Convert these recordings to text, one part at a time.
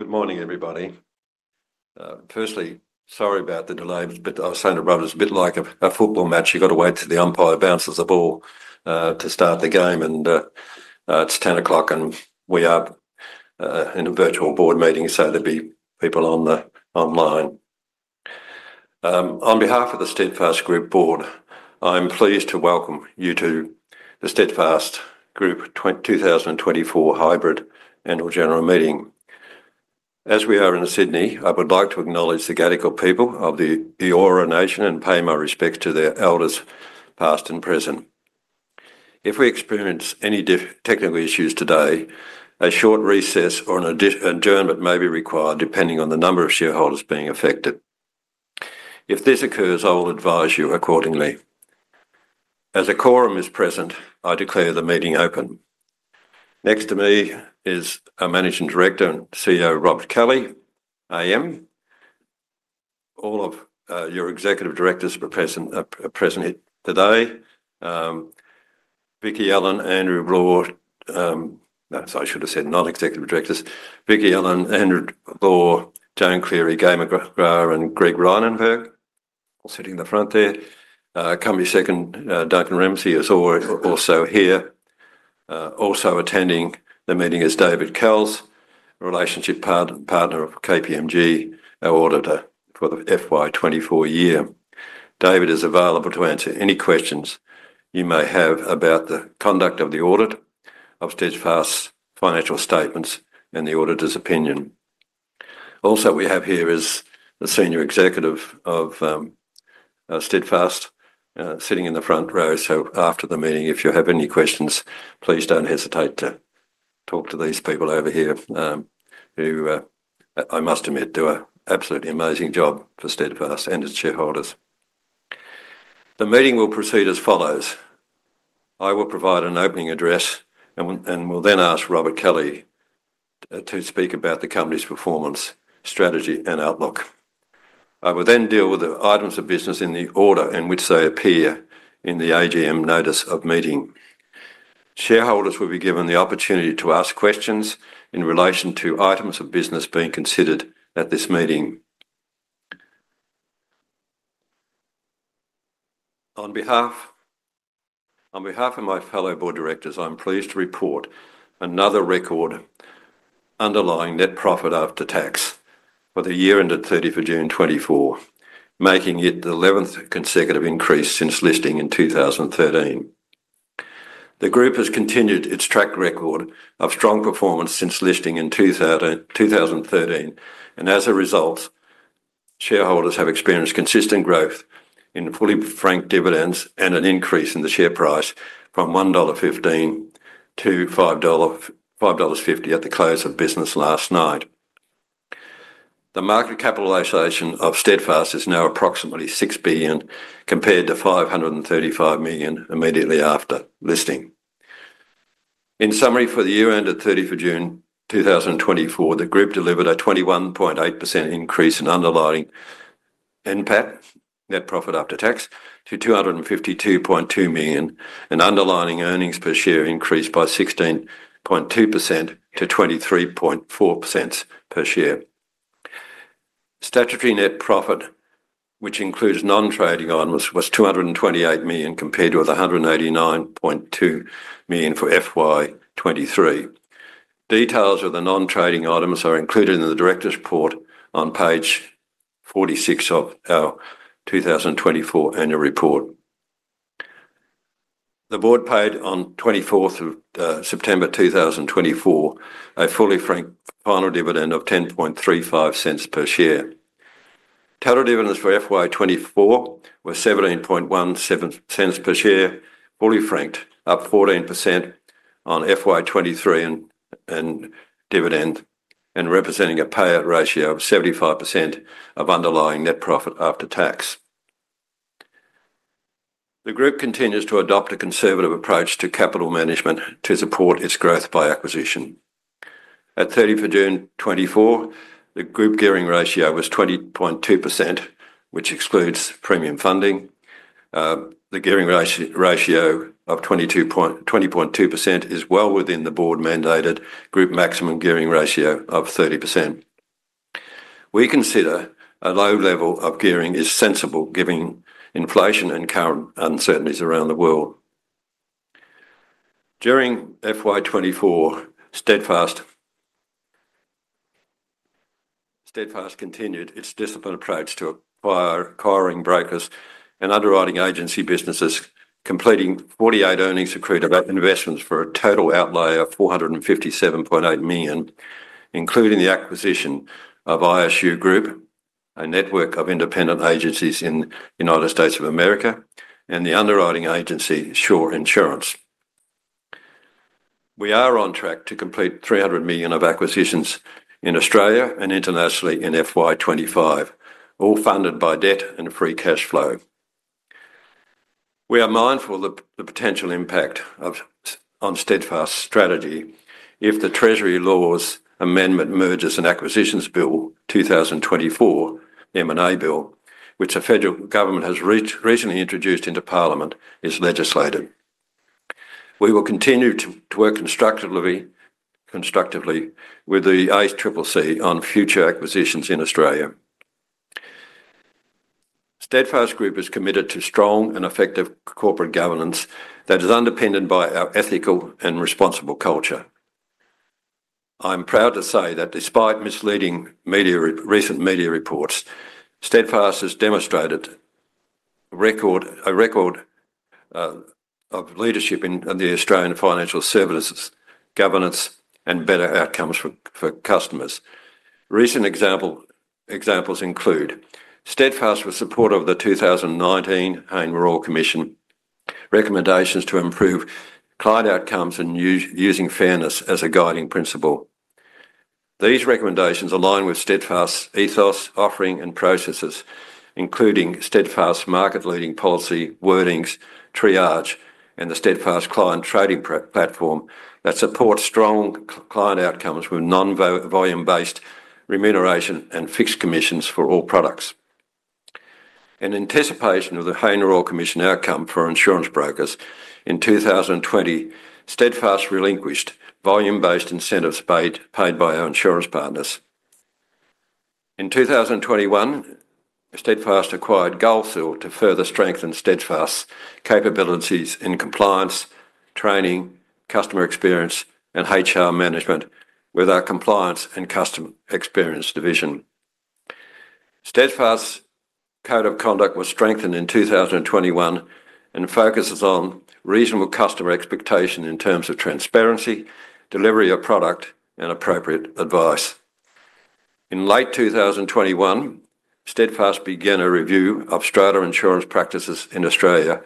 Good morning, everybody. Firstly, sorry about the delay, but I was saying to Robert, it's a bit like a football match. You've got to wait till the umpire bounces the ball to start the game, and it's 10:00 A.M., and we are in a virtual board meeting, so there'll be people online. On behalf of the Steadfast Group Board, I'm pleased to welcome you to the Steadfast Group 2024 Hybrid Annual General Meeting. As we are in Sydney, I would like to acknowledge the Gadigal people of the Eora Nation and pay my respects to their elders, past and present. If we experience any technical issues today, a short recess or an adjournment may be required, depending on the number of shareholders being affected. If this occurs, I will advise you accordingly. As a quorum is present, I declare the meeting open. Next to me is Managing Director and CEO Robert Kelly. I am. All of your executive directors are present today: Vicki Allen, Andrew Bloore, no, I should have said non-executive directors, Vicki Allen, Andrew Bloore, Joan Cleary, Gai McGrath, and Greg Rynenberg are sitting in the front there. Company Secretary, Duncan Ramsay is also here. Also attending the meeting is David Kells, Relationship Partner of KPMG, our auditor for the FY 2024 year. David is available to answer any questions you may have about the conduct of the audit, of Steadfast's financial statements, and the auditor's opinion. Also, we have here the Senior Executive of Steadfast sitting in the front row, so after the meeting, if you have any questions, please don't hesitate to talk to these people over here who I must admit do an absolutely amazing job for Steadfast and its shareholders. The meeting will proceed as follows. I will provide an opening address and will then ask Robert Kelly to speak about the company's performance, strategy, and outlook. I will then deal with the items of business in the order in which they appear in the AGM notice of meeting. Shareholders will be given the opportunity to ask questions in relation to items of business being considered at this meeting. On behalf of my fellow board directors, I'm pleased to report another record underlying net profit after tax for the year ended 30 June 2024, making it the 11th consecutive increase since listing in 2013. The Group has continued its track record of strong performance since listing in 2013, and as a result, shareholders have experienced consistent growth in fully franked dividends and an increase in the share price from 1.15 dollar to 5.50 dollar at the close of business last night. The market capitalization of Steadfast is now approximately 6 billion, compared to 535 million immediately after listing. In summary, for the year ended 30 of June 2024, the Group delivered a 21.8% increase in underlying net profit after tax to 252.2 million, and underlying earnings per share increased by 16.2% to 23.4 cents per share. Statutory net profit, which includes non-trading items, was 228 million, compared with 189.2 million for FY 2023. Details of the non-trading items are included in the Director's Report on page 46 of our 2024 Annual Report. The Board paid, on 24 September 2024, a fully franked final dividend of 10.35 per share. Total dividends for FY 2024 were 17.17 per share, fully franked, up 14% on FY 2023 in dividend, and representing a payout ratio of 75% of underlying net profit after tax. The Group continues to adopt a conservative approach to capital management to support its growth by acquisition. At 30 June 2024, the Group gearing ratio was 20.2%, which excludes premium funding. The gearing ratio of 20.2% is well within the Board-mandated Group maximum gearing ratio of 30%. We consider a low level of gearing is sensible, given inflation and current uncertainties around the world. During FY 2024, Steadfast continued its disciplined approach to acquiring brokers and underwriting agency businesses, completing 48 earnings accretive investments for a total outlay of 457.8 million, including the acquisition of ISU Group, a network of independent agencies in the United States of America, and the underwriting agency Sure Insurance. We are on track to complete 300 million of acquisitions in Australia and internationally in FY 2025, all funded by debt and free cash flow. We are mindful of the potential impact on Steadfast's strategy if the Treasury Laws Amendment Mergers and Acquisitions Bill 2024, M&A Bill, which the Federal Government has recently introduced into Parliament, is legislated. We will continue to work constructively with the ACCC on future acquisitions in Australia. Steadfast Group is committed to strong and effective corporate governance that is underpinned by our ethical and responsible culture. I'm proud to say that despite misleading recent media reports, Steadfast has demonstrated a record of leadership in the Australian financial services governance and better outcomes for customers. Recent examples include: Steadfast was supportive of the 2019 Hayne Royal Commission recommendations to improve client outcomes and using fairness as a guiding principle. These recommendations align with Steadfast's ethos, offering, and processes, including Steadfast's market-leading policy, wordings, triage, and the Steadfast Client Trading Platform that supports strong client outcomes with non-volume-based remuneration and fixed commissions for all products. In anticipation of the Hayne Royal Commission outcome for insurance brokers in 2020, Steadfast relinquished volume-based incentives paid by our insurance partners. In 2021, Steadfast acquired Goldseal to further strengthen Steadfast's capabilities in compliance, training, customer experience, and HR management with our Compliance and Customer Experience Division. Steadfast's Code of Conduct was strengthened in 2021 and focuses on reasonable customer expectation in terms of transparency, delivery of product, and appropriate advice. In late 2021, Steadfast began a review of strata insurance practices in Australia,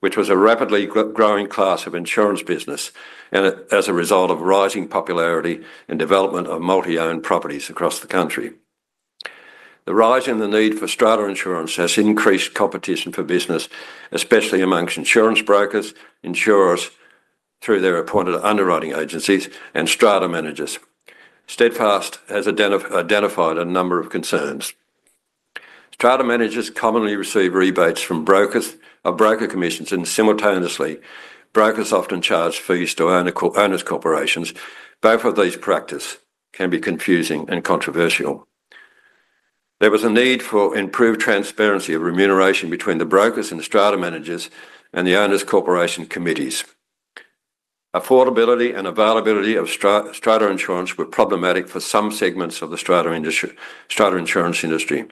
which was a rapidly growing class of insurance business as a result of rising popularity and development of multi-owned properties across the country. The rise in the need for strata insurance has increased competition for business, especially among insurance brokers, insurers through their appointed underwriting agencies, and strata managers. Steadfast has identified a number of concerns. Strata managers commonly receive rebates from brokers or broker commissions, and simultaneously, brokers often charge fees to owners' corporations. Both of these practices can be confusing and controversial. There was a need for improved transparency of remuneration between the brokers and strata managers and the owners' corporation committees. Affordability and availability of strata insurance were problematic for some segments of the strata insurance industry.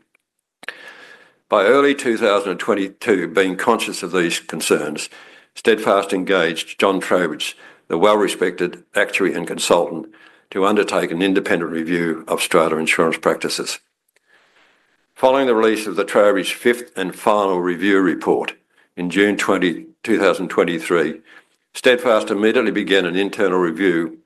By early 2022, being conscious of these concerns, Steadfast engaged John Trowbridge, the well-respected actuary and consultant, to undertake an independent review of strata insurance practices. Following the release of the Trowbridge's fifth and final review report in June 2023, Steadfast immediately began an internal review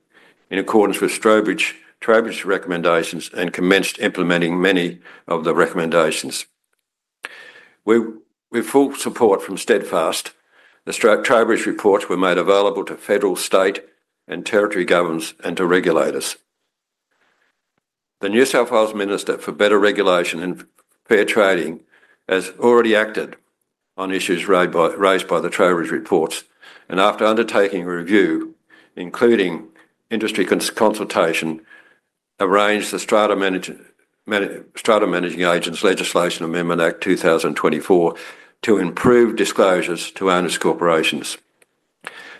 in accordance with Trowbridge's recommendations and commenced implementing many of the recommendations. With full support from Steadfast, the Trowbridge reports were made available to federal, state, and territory governments, and to regulators. The New South Wales Minister for Better Regulation and Fair Trading has already acted on issues raised by the Trowbridge reports, and after undertaking a review, including industry consultation, arranged the Strata Managing Agents Legislation Amendment Act 2024 to improve disclosures to owners' corporations.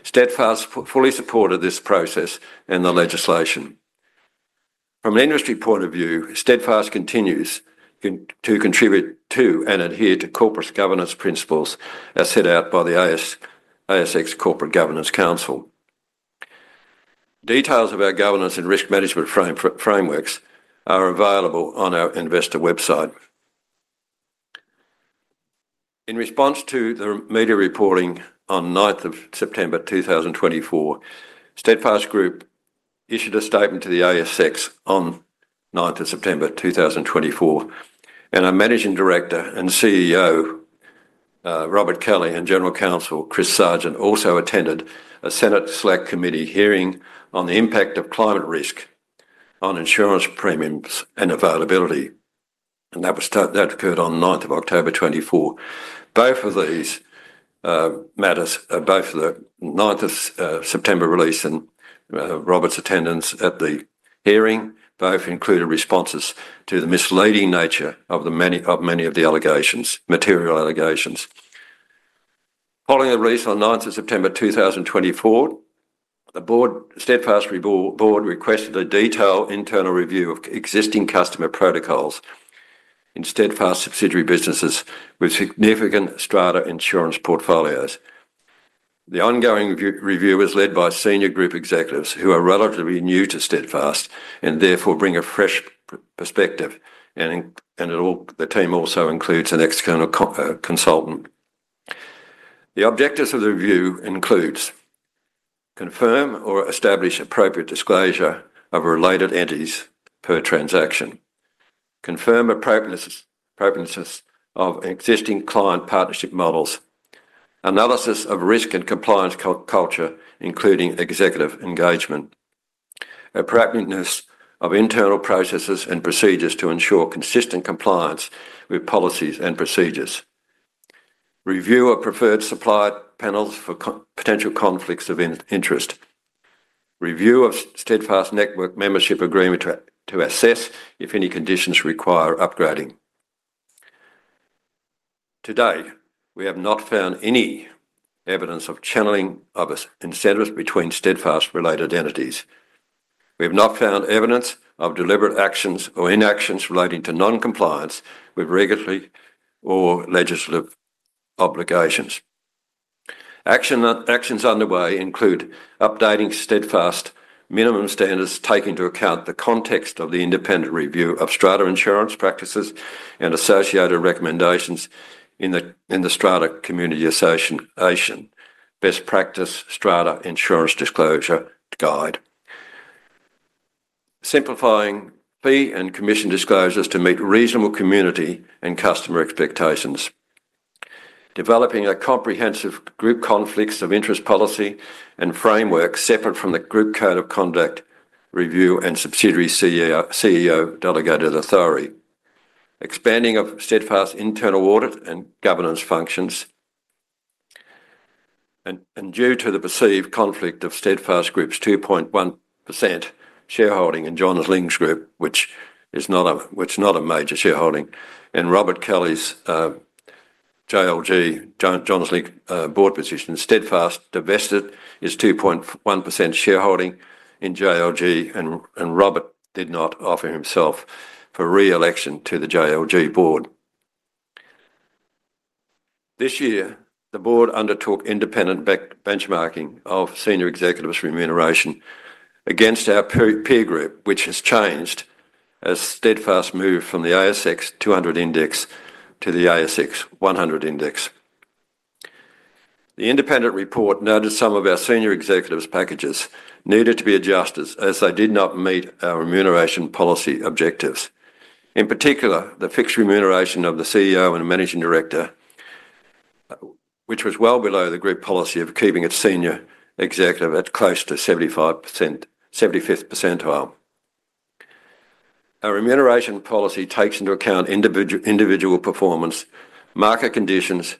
Steadfast fully supported this process and the legislation. From an industry point of view, Steadfast continues to contribute to and adhere to corporate governance principles as set out by the ASX Corporate Governance Council. Details of our governance and risk management frameworks are available on our investor website. In response to the media reporting on 9th of September 2024, Steadfast Group issued a statement to the ASX on 9th of September 2024, and our Managing Director and CEO, Robert Kelly, and General Counsel, Chris Sargent, also attended a Senate Select Committee hearing on the impact of climate risk on insurance premiums and availability, and that occurred on 9th of October 2024. Both of these matters, both the 9th of September release and Robert's attendance at the hearing, both included responses to the misleading nature of many of the allegations, material allegations. Following the release on 9th of September 2024, the Steadfast Board requested a detailed internal review of existing customer protocols in Steadfast subsidiary businesses with significant strata insurance portfolios. The ongoing review was led by Senior Group Executives, who are relatively new to Steadfast and therefore bring a fresh perspective, and the team also includes an external consultant. The objectives of the review include: confirm or establish appropriate disclosure of related entities per transaction. Confirm appropriateness of existing client partnership models. Analysis of risk and compliance culture, including executive engagement. Appropriateness of internal processes and procedures to ensure consistent compliance with policies and procedures. Review of preferred supply panels for potential conflicts of interest. Review of Steadfast network membership agreement to assess if any conditions require upgrading. Today, we have not found any evidence of channeling of incentives between Steadfast-related entities. We have not found evidence of deliberate actions or inactions relating to non-compliance with regulatory or legislative obligations. Actions underway include updating Steadfast minimum standards taking into account the context of the independent review of strata insurance practices and associated recommendations in the Strata Community Association Best Practice Strata Insurance Disclosure Guide, simplifying fee and commission disclosures to meet reasonable community and customer expectations, developing a comprehensive group conflicts of interest policy and framework separate from the Group Code of Conduct review and subsidiary CEO delegated authority, expanding of Steadfast's internal audit and governance functions, and due to the perceived conflict of Steadfast Group's 2.1% shareholding in Johns Lyng Group, which is not a major shareholding, and Robert Kelly's JLG, Johns Lyng Board position, Steadfast divested his 2.1% shareholding in JLG, and Robert did not offer himself for re-election to the JLG Board. This year, the Board undertook independent benchmarking of Senior Executives' remuneration against our peer group, which has changed as Steadfast moved from the ASX 200 Index to the ASX 100 Index. The independent report noted some of our Senior Executives' packages needed to be adjusted as they did not meet our remuneration policy objectives. In particular, the fixed remuneration of the CEO and Managing Director, which was well below the Group policy of keeping its Senior Executive at close to 75th percentile. Our remuneration policy takes into account individual performance, market conditions,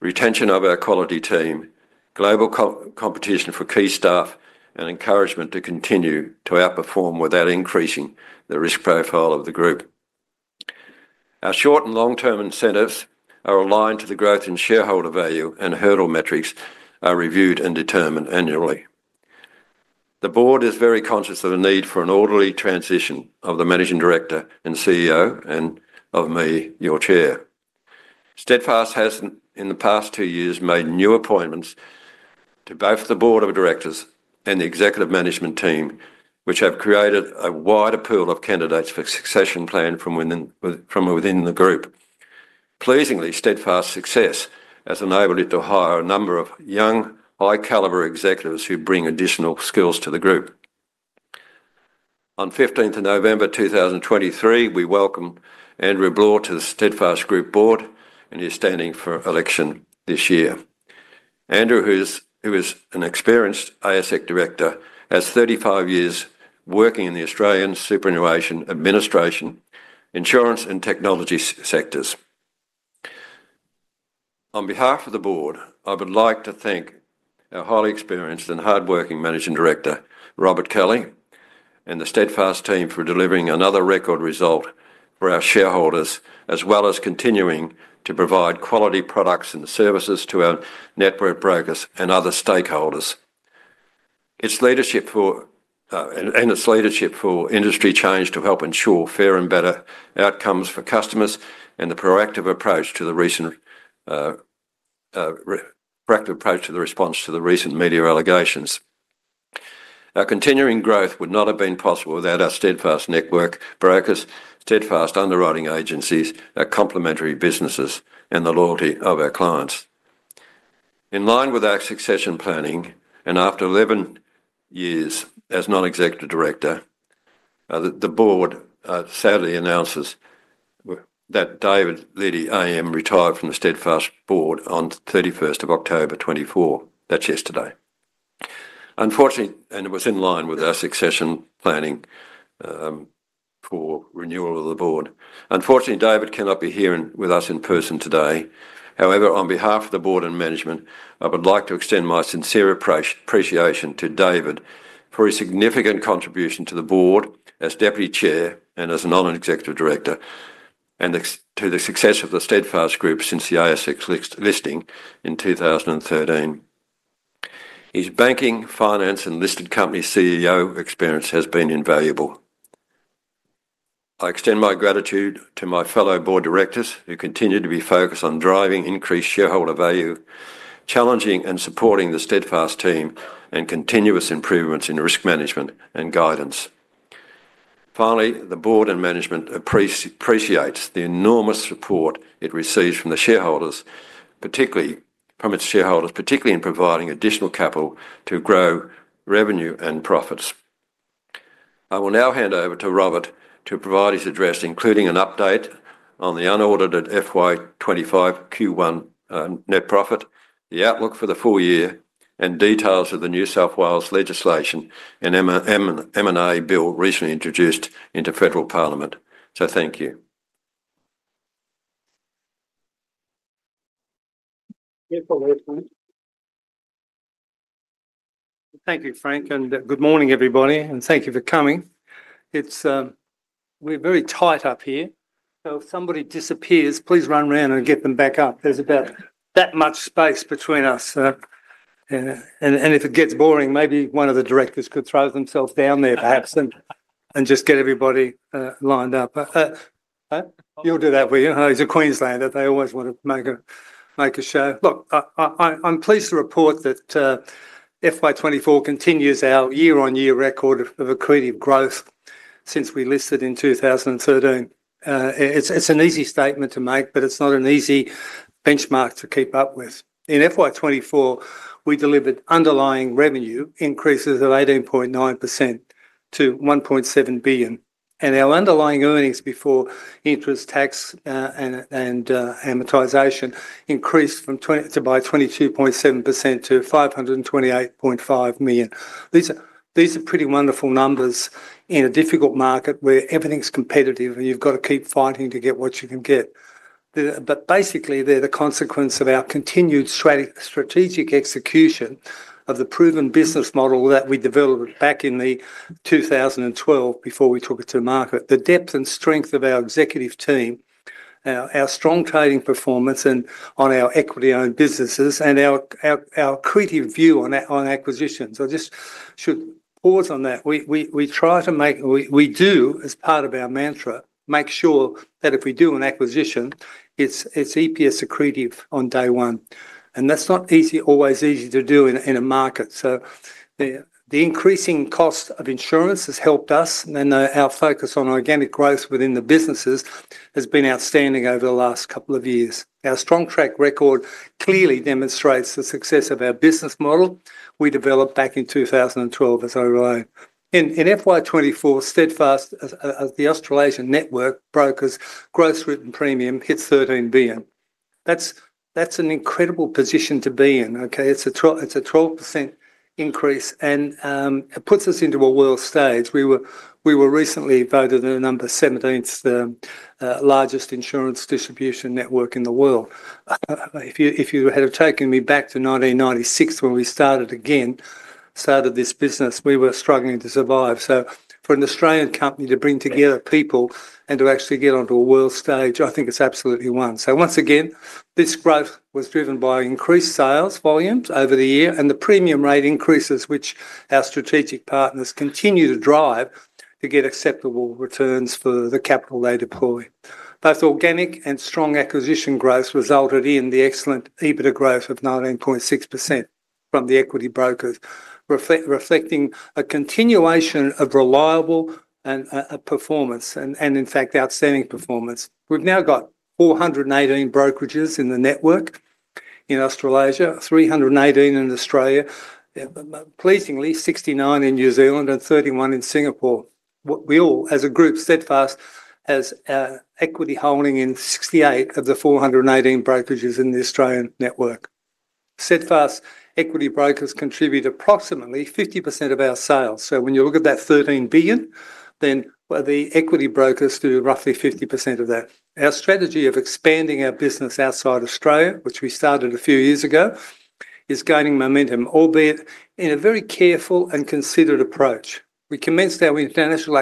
retention of our quality team, global competition for key staff, and encouragement to continue to outperform without increasing the risk profile of the Group. Our short and long-term incentives are aligned to the growth in shareholder value, and hurdle metrics are reviewed and determined annually. The Board is very conscious of the need for an orderly transition of the Managing Director and CEO and of me, your Chair. Steadfast has, in the past two years, made new appointments to both the Board of Directors and the Executive Management Team, which have created a wider pool of candidates for succession plan from within the Group. Pleasingly, Steadfast's success has enabled it to hire a number of young, high-caliber executives who bring additional skills to the Group. On 15th of November 2023, we welcomed Andrew Bloore to the Steadfast Group Board, and he is standing for election this year. Andrew, who is an experienced ASX Director, has 35 years working in the Australian Superannuation Administration, Insurance, and Technology sectors. On behalf of the Board, I would like to thank our highly experienced and hardworking Managing Director, Robert Kelly, and the Steadfast Team for delivering another record result for our shareholders, as well as continuing to provide quality products and services to our network brokers and other stakeholders, its leadership for industry change to help ensure fair and better outcomes for customers and the proactive approach to the response to the recent media allegations. Our continuing growth would not have been possible without our Steadfast network brokers, Steadfast underwriting agencies, our complementary businesses, and the loyalty of our clients. In line with our succession planning, and after 11 years as non-executive director, the Board sadly announces that David Liddy AM, retired from the Steadfast Board on 31st of October 2024. That's yesterday. Unfortunately, and it was in line with our succession planning for renewal of the Board. Unfortunately, David cannot be here with us in person today. However, on behalf of the Board and Management, I would like to extend my sincere appreciation to David for his significant contribution to the Board as Deputy Chair and as a Non-Executive Director, and to the success of the Steadfast Group since the ASX listing in 2013. His banking, finance, and listed company CEO experience has been invaluable. I extend my gratitude to my fellow Board Directors who continue to be focused on driving increased shareholder value, challenging and supporting the Steadfast Team, and continuous improvements in risk management and guidance. Finally, the Board and Management appreciates the enormous support it receives from its shareholders, particularly in providing additional capital to grow revenue and profits. I will now hand over to Robert to provide his address, including an update on the unaudited FY 2025 Q1 net profit, the outlook for the full year, and details of the New South Wales legislation and M&A bill recently introduced into Federal Parliament. So thank you. Thank you, Frank. And good morning, everybody, and thank you for coming. We're very tight up here. So if somebody disappears, please run around and get them back up. There's about that much space between us. And if it gets boring, maybe one of the directors could throw themselves down there, perhaps, and just get everybody lined up. You'll do that, will you? He's a Queenslander. They always want to make a show. Look, I'm pleased to report that FY 2024 continues our year-on-year record of accretive growth since we listed in 2013. It's an easy statement to make, but it's not an easy benchmark to keep up with. In FY 2024, we delivered underlying revenue increases of 18.9% to 1.7 billion, and our underlying earnings before interest, tax, and amortization increased by 22.7% to 528.5 million. These are pretty wonderful numbers in a difficult market where everything's competitive and you've got to keep fighting to get what you can get, but basically, they're the consequence of our continued strategic execution of the proven business model that we developed back in 2012 before we took it to the market. The depth and strength of our executive team, our strong trading performance on our equity-owned businesses, and our accretive view on acquisitions. I just should pause on that. We try to make, we do, as part of our mantra, make sure that if we do an acquisition, it's EPS accretive on day one. That's not always easy to do in a market. So the increasing cost of insurance has helped us, and our focus on organic growth within the businesses has been outstanding over the last couple of years. Our strong track record clearly demonstrates the success of our business model we developed back in 2012 as overlay. In FY 2024, Steadfast, the Australasian network brokers' gross written premium hit 13 billion. That's an incredible position to be in. It's a 12% increase, and it puts us into a world stage. We were recently voted the 17th largest insurance distribution network in the world. If you had taken me back to 1996 when we started again, started this business, we were struggling to survive. For an Australian company to bring together people and to actually get onto a world stage, I think it's absolutely one. So once again, this growth was driven by increased sales volumes over the year and the premium rate increases, which our strategic partners continue to drive to get acceptable returns for the capital they deploy. Both organic and strong acquisition growth resulted in the excellent EBITDA growth of 19.6% from the equity brokers, reflecting a continuation of reliable performance and, in fact, outstanding performance. We've now got 418 brokerages in the network in Australasia, 318 in Australia, pleasingly 69 in New Zealand, and 31 in Singapore. We all, as a group, Steadfast has equity holding in 68 of the 418 brokerages in the Australian network. Steadfast equity brokers contribute approximately 50% of our sales. So when you look at that 13 billion, then the equity brokers do roughly 50% of that. Our strategy of expanding our business outside Australia, which we started a few years ago, is gaining momentum, albeit in a very careful and considered approach. We commenced our international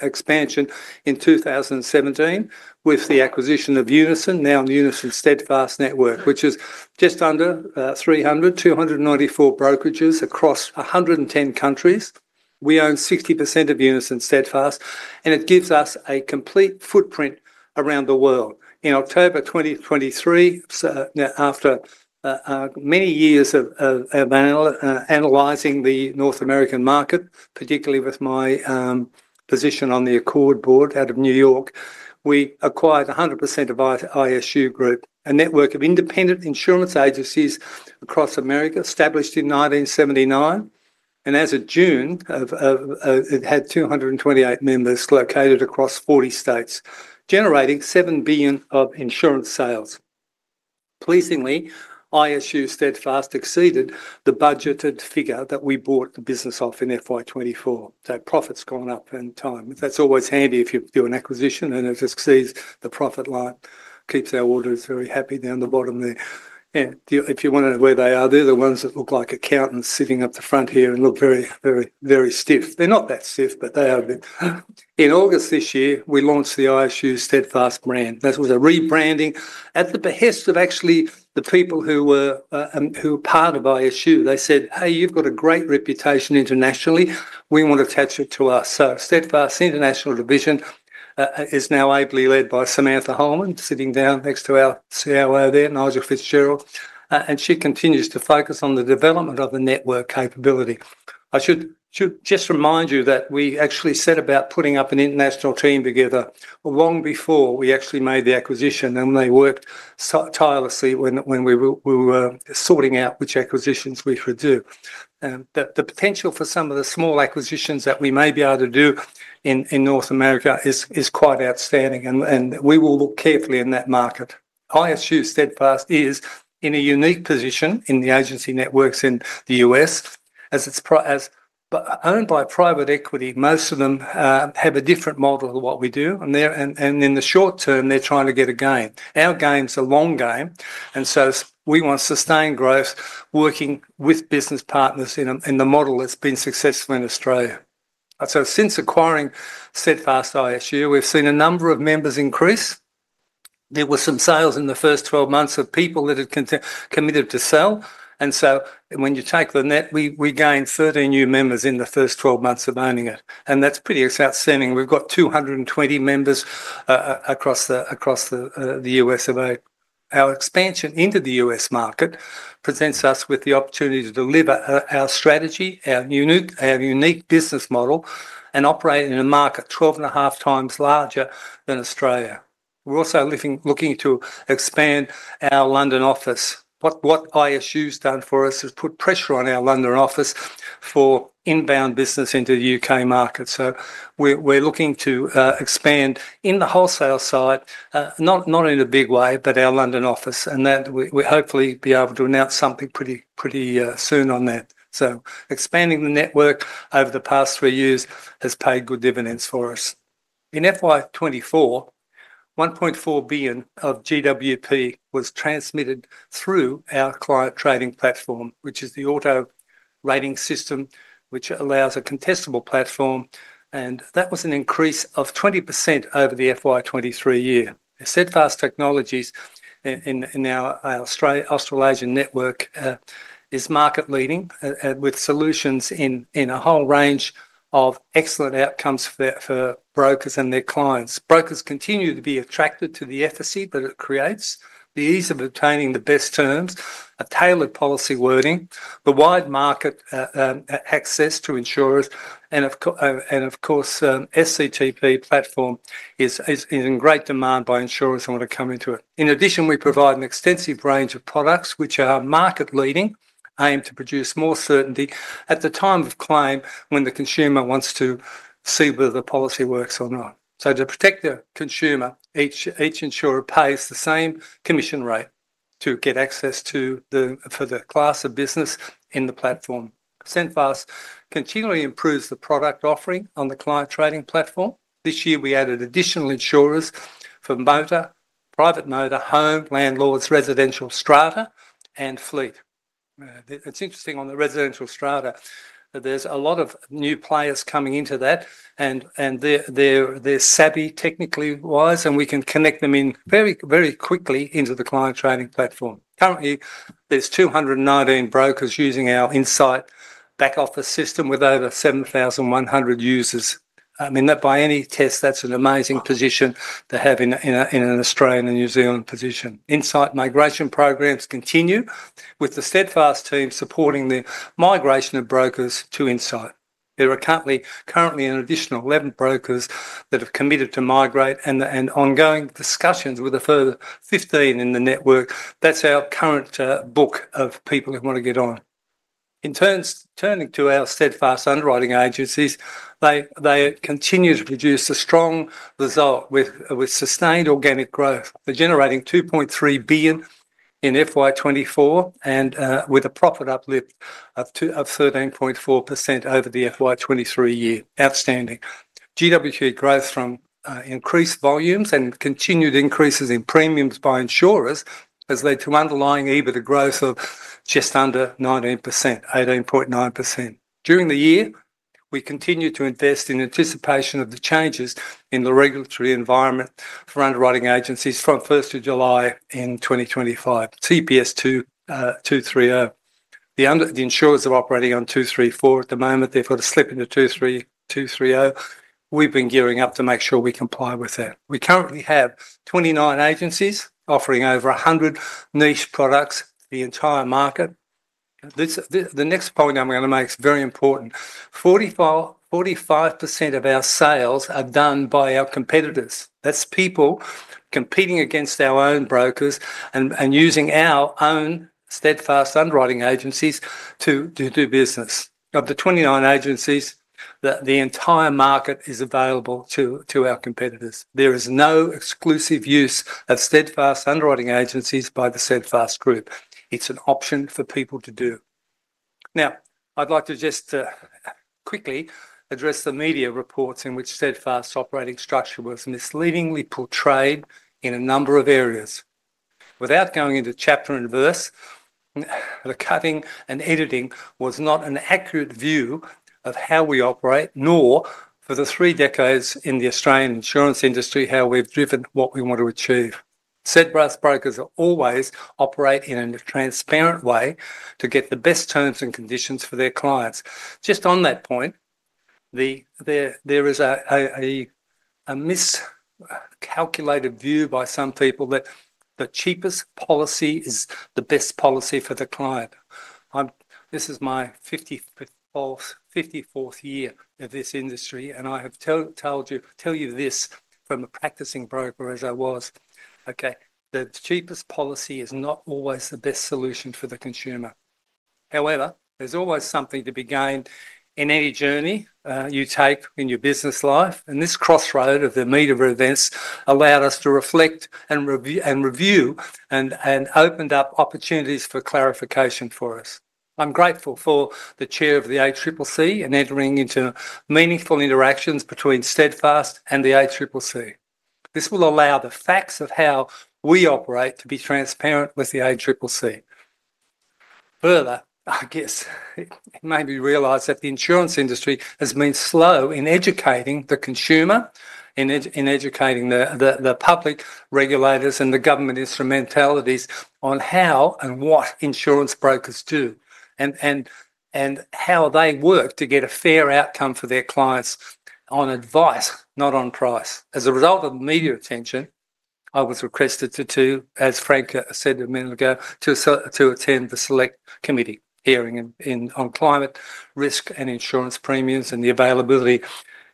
expansion in 2017 with the acquisition of Unison, now Unison Steadfast Network, which is just under 300, 294 brokerages across 110 countries. We own 60% of Unison Steadfast, and it gives us a complete footprint around the world. In October 2023, after many years of analyzing the North American market, particularly with my position on the ACORD Board out of New York, we acquired 100% of ISU Group, a network of independent insurance agencies across America established in 1979. And as of June, it had 228 members located across 40 states, generating $7 billion of insurance sales. Pleasingly, ISU Steadfast exceeded the budgeted figure that we bought the business off in FY 2024. So profit's gone up in time. That's always handy if you do an acquisition, and it exceeds the profit line, keeps our auditors very happy down the bottom there. If you want to know where they are, they're the ones that look like accountants sitting up the front here and look very, very stiff. They're not that stiff, but they are a bit. In August this year, we launched the ISU Steadfast brand. That was a rebranding at the behest of actually the people who were part of ISU. They said, "Hey, you've got a great reputation internationally. We want to attach it to us." So Steadfast's international division is now ably led by Samantha Hollman, sitting down next to our COO there, Nigel Fitzgerald, and she continues to focus on the development of the network capability. I should just remind you that we actually set about putting up an international team together long before we actually made the acquisition, and they worked tirelessly when we were sorting out which acquisitions we could do. The potential for some of the small acquisitions that we may be able to do in North America is quite outstanding, and we will look carefully in that market. ISU Steadfast is in a unique position in the agency networks in the U.S. Owned by private equity, most of them have a different model than what we do, and in the short term, they're trying to get a gain. Our game's a long game, and so we want sustained growth working with business partners in the model that's been successful in Australia, so since acquiring Steadfast ISU, we've seen a number of members increase. There were some sales in the first 12 months of people that had committed to sell. And so when you take the net, we gained 13 new members in the first 12 months of owning it. And that's pretty outstanding. We've got 220 members across the U.S. of A. Our expansion into the U.S. market presents us with the opportunity to deliver our strategy, our unique business model, and operate in a market 12 and a half times larger than Australia. We're also looking to expand our London office. What ISU's done for us is put pressure on our London office for inbound business into the U.K. market. So we're looking to expand in the wholesale side, not in a big way, but our London office. And we'll hopefully be able to announce something pretty soon on that. Expanding the network over the past three years has paid good dividends for us. In FY 2024, 1.4 billion of GWP was transmitted through our client trading platform, which is the auto rating system, which allows a contestable platform. And that was an increase of 20% over the FY 2023 year. Steadfast Technologies in our Australasian network is market-leading with solutions in a whole range of excellent outcomes for brokers and their clients. Brokers continue to be attracted to the efficacy that it creates, the ease of obtaining the best terms, a tailored policy wording, the wide market access to insurers, and of course, SCTP platform is in great demand by insurers and want to come into it. In addition, we provide an extensive range of products which are market-leading, aimed to produce more certainty at the time of claim when the consumer wants to see whether the policy works or not. So to protect the consumer, each insurer pays the same commission rate to get access to the class of business in the platform. Steadfast continually improves the product offering on the client trading platform. This year, we added additional insurers for motor, private motor, home, landlords, residential, strata, and fleet. It's interesting on the residential Strata that there's a lot of new players coming into that, and they're savvy technically wise, and we can connect them in very quickly into the client trading platform. Currently, there's 219 brokers using our Insight back office system with over 7,100 users. I mean, by any test, that's an amazing position to have in an Australian and New Zealand position. Insight migration programs continue with the Steadfast team supporting the migration of brokers to Insight. There are currently an additional 11 brokers that have committed to migrate and ongoing discussions with a further 15 in the network. That's our current book of people who want to get on. In turning to our Steadfast underwriting agencies, they continue to produce a strong result with sustained organic growth. They're generating 2.3 billion in FY 2024 and with a profit uplift of 13.4% over the FY 2023 year. Outstanding. GWP growth from increased volumes and continued increases in premiums by insurers has led to underlying EBITDA growth of just under 19%, 18.9%. During the year, we continue to invest in anticipation of the changes in the regulatory environment for underwriting agencies from 1st of July in 2025, CPS 230. The insurers are operating on CPS 234 at the moment. They've got a slip into 230. We've been gearing up to make sure we comply with that. We currently have 29 agencies offering over 100 niche products for the entire market. The next point I'm going to make is very important. 45% of our sales are done by our competitors. That's people competing against our own brokers and using our own Steadfast underwriting agencies to do business. Of the 29 agencies, the entire market is available to our competitors. There is no exclusive use of Steadfast underwriting agencies by the Steadfast Group. It's an option for people to do. Now, I'd like to just quickly address the media reports in which Steadfast's operating structure was misleadingly portrayed in a number of areas. Without going into chapter and verse, the cutting and editing was not an accurate view of how we operate, nor for the three decades in the Australian insurance industry how we've driven what we want to achieve. Steadfast brokers always operate in a transparent way to get the best terms and conditions for their clients. Just on that point, there is a miscalculated view by some people that the cheapest policy is the best policy for the client. This is my 54th year of this industry, and I have told you this from a practicing broker as I was. Okay, the cheapest policy is not always the best solution for the consumer. However, there's always something to be gained in any journey you take in your business life, and this crossroad of the media events allowed us to reflect and review and opened up opportunities for clarification for us. I'm grateful for the Chair of the ACCC and entering into meaningful interactions between Steadfast and the ACCC. This will allow the facts of how we operate to be transparent with the ACCC. Further, I guess it made me realize that the insurance industry has been slow in educating the consumer, in educating the public regulators and the government instrumentalities on how and what insurance brokers do and how they work to get a fair outcome for their clients on advice, not on price. As a result of media attention, I was requested to, as Frank said a minute ago, to attend the select committee hearing on climate risk and insurance premiums and the availability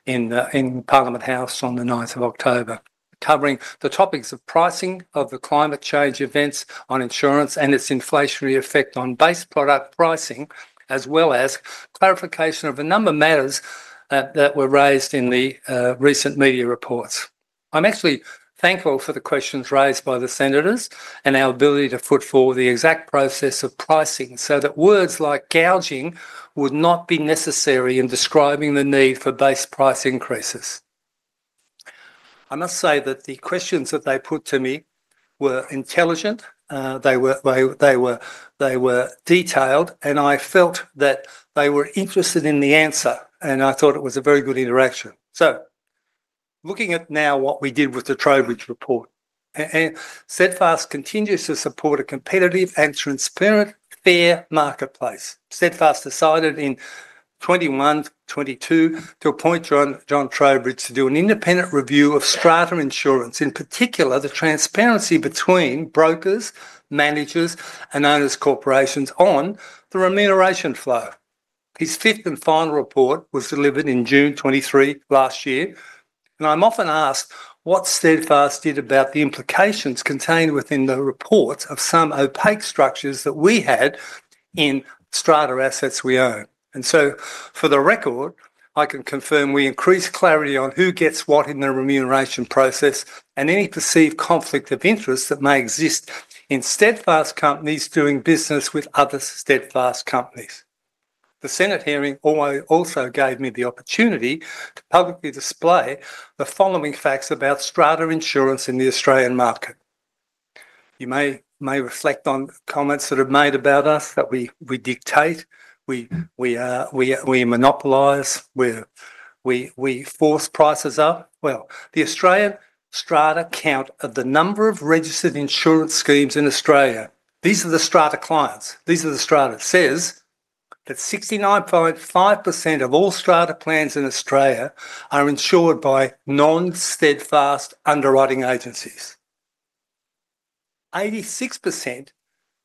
in Parliament House on the 9th of October, covering the topics of pricing of the climate change events on insurance and its inflationary effect on base product pricing, as well as clarification of a number of matters that were raised in the recent media reports. I'm actually thankful for the questions raised by the senators and our ability to put forward the exact process of pricing so that words like gouging would not be necessary in describing the need for base price increases. I must say that the questions that they put to me were intelligent. They were detailed, and I felt that they were interested in the answer, and I thought it was a very good interaction. So looking at now what we did with the Trowbridge report, Steadfast continues to support a competitive and transparent, fair marketplace. Steadfast decided in 2021, 2022 to appoint John Trowbridge to do an independent review of Strata Insurance, in particular the transparency between brokers, managers, and owners' corporations on the remuneration flow. His fifth and final report was delivered in June 2023 last year. And I'm often asked what Steadfast did about the implications contained within the report of some opaque structures that we had in Strata assets we own. And so for the record, I can confirm we increased clarity on who gets what in the remuneration process and any perceived conflict of interest that may exist in Steadfast companies doing business with other Steadfast companies. The Senate hearing also gave me the opportunity to publicly display the following facts about Strata Insurance in the Australian market. You may reflect on comments that are made about us that we dictate, we monopolize, we force prices up. Well, the Australian strata count of the number of registered insurance schemes in Australia. These are the strata clients. These are the strata. It says that 69.5% of all strata plans in Australia are insured by non-Steadfast underwriting agencies. 86%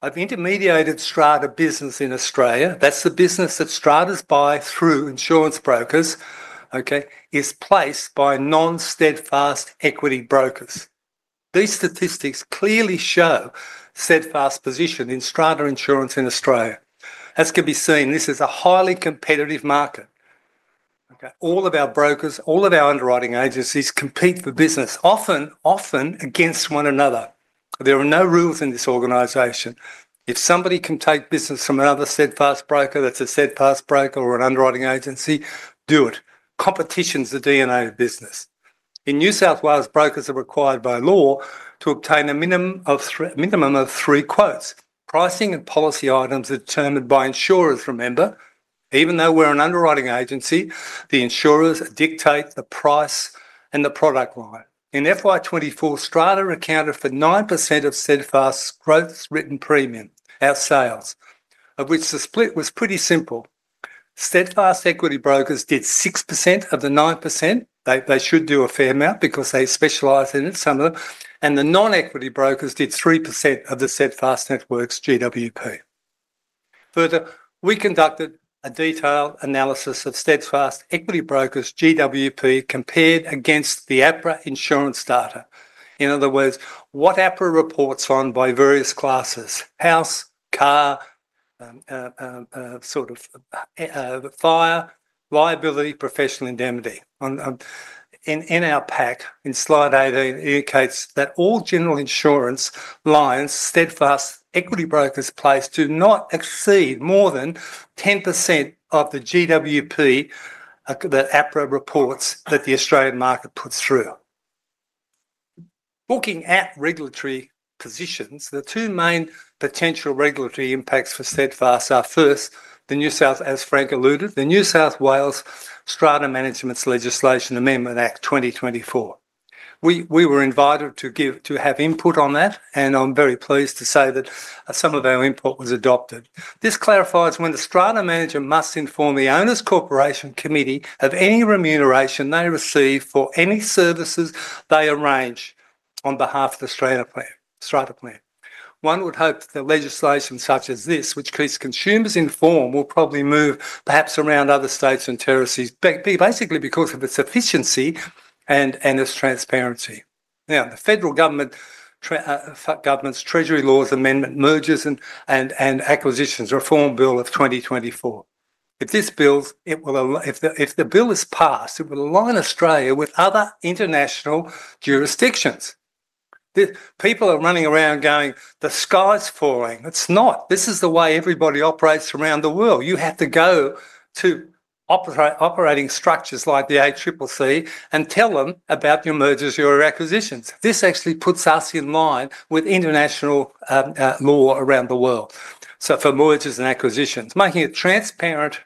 of intermediated strata business in Australia, that's the business that strata buy through insurance brokers, is placed by non-Steadfast equity brokers. These statistics clearly show Steadfast's position in strata insurance in Australia. As can be seen, this is a highly competitive market. All of our brokers, all of our underwriting agencies compete for business, often against one another. There are no rules in this organization. If somebody can take business from another Steadfast broker that's a Steadfast broker or an underwriting agency, do it. Competition is the DNA of business. In New South Wales, brokers are required by law to obtain a minimum of three quotes. Pricing and policy items are determined by insurers, remember. Even though we're an underwriting agency, the insurers dictate the price and the product line. In FY 2024, Strata accounted for 9% of Steadfast's gross written premium, our sales, of which the split was pretty simple. Steadfast equity brokers did 6% of the 9%. They should do a fair amount because they specialize in it, some of them. And the non-equity brokers did 3% of the Steadfast network's GWP. Further, we conducted a detailed analysis of Steadfast equity brokers' GWP compared against the APRA insurance data. In other words, what APRA reports on by various classes: house, car, sort of fire, liability, professional indemnity. In our pack, in slide 18, it indicates that all general insurance lines Steadfast equity brokers place do not exceed more than 10% of the GWP that APRA reports that the Australian market puts through. Looking at regulatory positions, the two main potential regulatory impacts for Steadfast are first, the New South, as Frank alluded, the New South Wales Strata Managing Agents Legislation Amendment Act 2024. We were invited to have input on that, and I'm very pleased to say that some of our input was adopted. This clarifies when the Strata Managing Agent must inform the owners' corporation committee of any remuneration they receive for any services they arrange on behalf of the strata plan. One would hope that legislation such as this, which keeps consumers informed, will probably move perhaps around other states and territories, basically because of its efficiency and its transparency. Now, the federal government's Treasury Laws Amendment (Mergers and Acquisitions Reform) Bill 2024. If this bill, if the bill is passed, it will align Australia with other international jurisdictions. People are running around going, "The sky's falling." It's not. This is the way everybody operates around the world. You have to go to operating structures like the ACCC and tell them about your mergers, your acquisitions. This actually puts us in line with international law around the world. So for mergers and acquisitions, making it transparent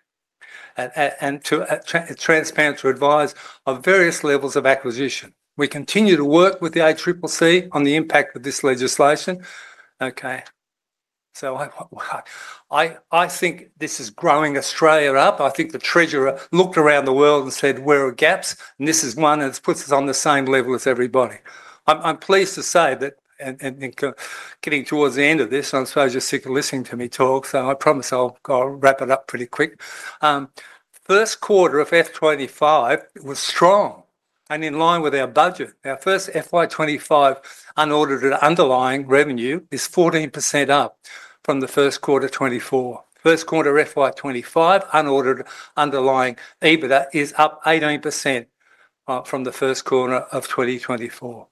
and to transparent to advise of various levels of acquisition. We continue to work with the ACCC on the impact of this legislation. Okay. So I think this is growing Australia up. I think the Treasurer looked around the world and said, "Where are gaps?" and this is one that puts us on the same level as everybody. I'm pleased to say that, and getting towards the end of this, I suppose you're sick of listening to me talk, so I promise I'll wrap it up pretty quick. First quarter of FY 2025 was strong and in line with our budget. Our first FY 2025 unaudited underlying revenue is 14% up from the first quarter of 2024. First quarter FY 2025 unaudited underlying EBITDA is up 18% from the first quarter of 2024.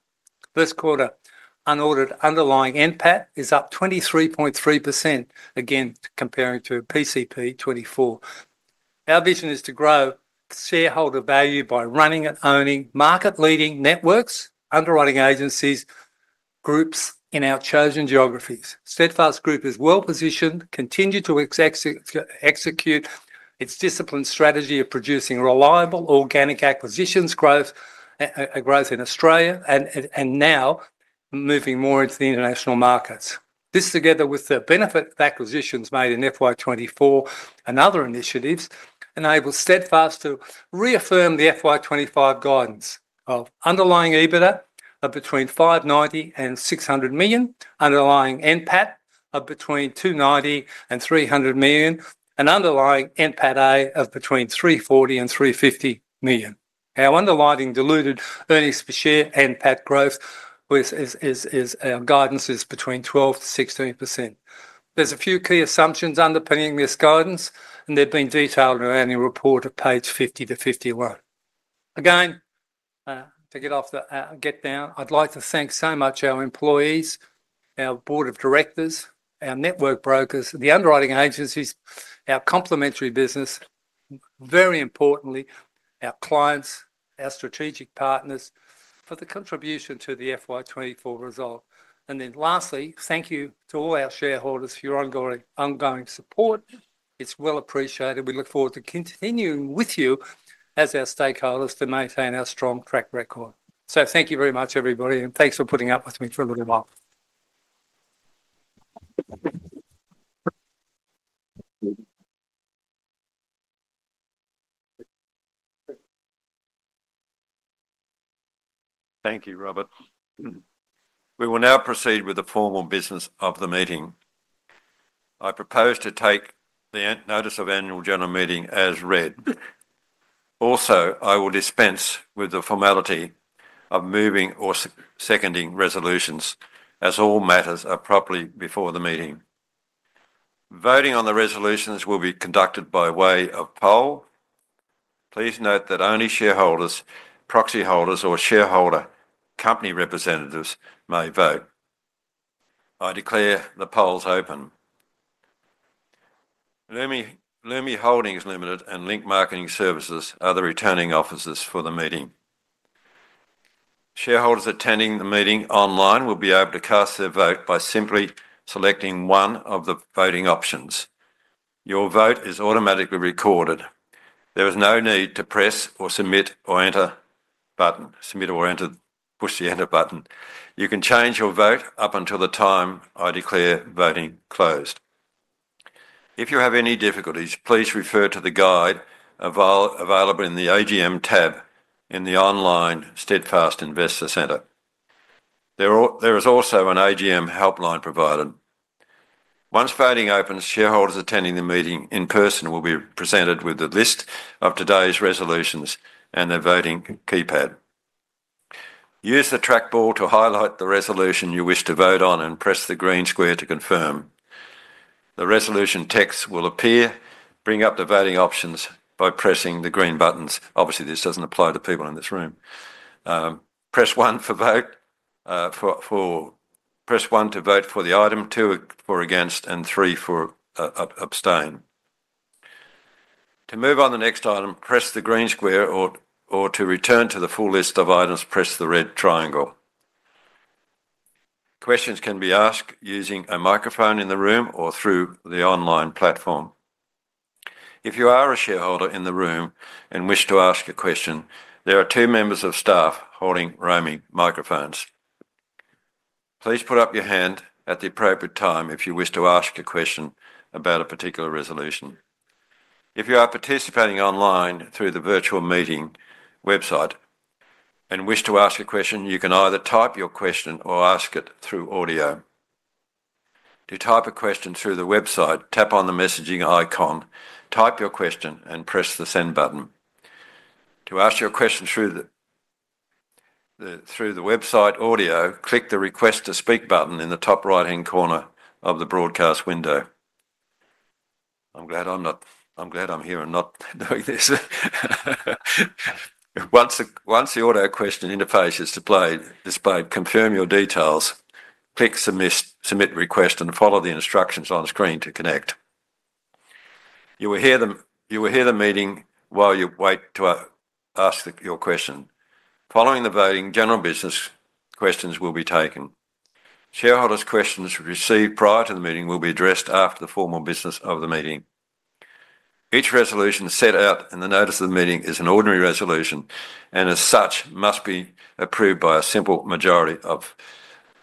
First quarter unaudited underlying NPAT is up 23.3%, again, comparing to PCP 2024. Our vision is to grow shareholder value by running and owning market-leading networks, underwriting agencies, groups in our chosen geographies. Steadfast Group is well positioned, continued to execute its disciplined strategy of producing reliable organic acquisitions growth in Australia and now moving more into the international markets. This together with the benefit of acquisitions made in FY 2024 and other initiatives enables Steadfast to reaffirm the FY 2025 guidance of underlying EBITDA of between 590 million and 600 million, underlying NPAT of between 290 million and 300 million, and underlying NPATA of between 340 million and 350 million. Our underlying diluted earnings per share NPAT growth in our guidance is between 12% to 16%. There's a few key assumptions underpinning this guidance, and they've been detailed in our annual report at page 50 to 51. Again, to wrap it up, I'd like to thank so much our employees, our board of directors, our network brokers, the underwriting agencies, our complementary business, very importantly, our clients, our strategic partners for the contribution to the FY 2024 result. And then lastly, thank you to all our shareholders for your ongoing support. It's well appreciated. We look forward to continuing with you as our stakeholders to maintain our strong track record. So thank you very much, everybody, and thanks for putting up with me for a little while. Thank you, Robert. We will now proceed with the formal business of the meeting. I propose to take the notice of Annual General Meeting as read. Also, I will dispense with the formality of moving or seconding resolutions as all matters are properly before the meeting. Voting on the resolutions will be conducted by way of poll. Please note that only shareholders, proxy holders, or shareholder company representatives may vote. I declare the polls open. Lumi Holdings Limited and Link Market Services are the returning officers for the meeting. Shareholders attending the meeting online will be able to cast their vote by simply selecting one of the voting options. Your vote is automatically recorded. There is no need to press or submit or enter button, submit or enter, push the enter button. You can change your vote up until the time I declare voting closed. If you have any difficulties, please refer to the guide available in the AGM tab in the online Steadfast Investor Center. There is also an AGM helpline provided. Once voting opens, shareholders attending the meeting in person will be presented with the list of today's resolutions and the voting keypad. Use the trackball to highlight the resolution you wish to vote on and press the green square to confirm. The resolution text will appear. Bring up the voting options by pressing the green buttons. Obviously, this doesn't apply to people in this room. Press one for vote. Press one to vote for the item, two for against, and three for abstain. To move on the next item, press the green square, or to return to the full list of items, press the red triangle. Questions can be asked using a microphone in the room or through the online platform. If you are a shareholder in the room and wish to ask a question, there are two members of staff holding roaming microphones. Please put up your hand at the appropriate time if you wish to ask a question about a particular resolution. If you are participating online through the virtual meeting website and wish to ask a question, you can either type your question or ask it through audio. To type a question through the website, tap on the messaging icon, type your question, and press the send button. To ask your question through the website audio, click the request to speak button in the top right-hand corner of the broadcast window. I'm glad I'm here. I'm not doing this. Once the auto question interface is displayed, confirm your details, click submit request, and follow the instructions on screen to connect. You will hear the meeting while you wait to ask your question. Following the voting, general business questions will be taken. Shareholders' questions received prior to the meeting will be addressed after the formal business of the meeting. Each resolution set out in the notice of the meeting is an ordinary resolution and as such must be approved by a simple majority of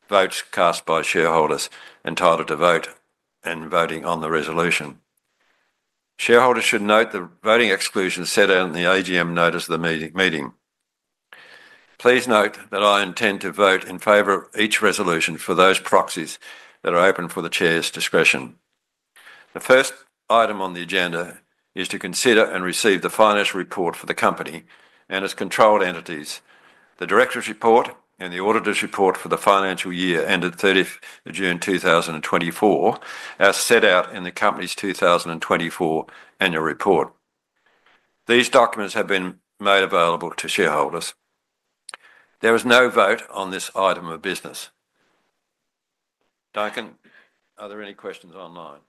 votes cast by shareholders entitled to vote and voting on the resolution. Shareholders should note the voting exclusion set out in the AGM notice of the meeting. Please note that I intend to vote in favor of each resolution for those proxies that are open for the chair's discretion. The first item on the agenda is to consider and receive the financial report for the company and its controlled entities. The director's report and the auditor's report for the financial year ended 30th of June 2024 are set out in the company's 2024 annual report. These documents have been made available to shareholders. There is no vote on this item of business. Duncan, are there any questions online?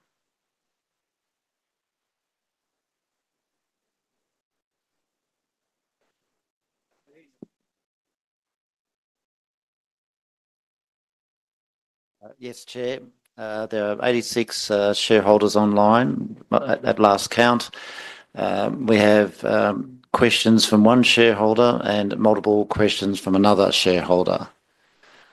Yes, Chair. There are 86 shareholders online at last count. We have questions from one shareholder and multiple questions from another shareholder.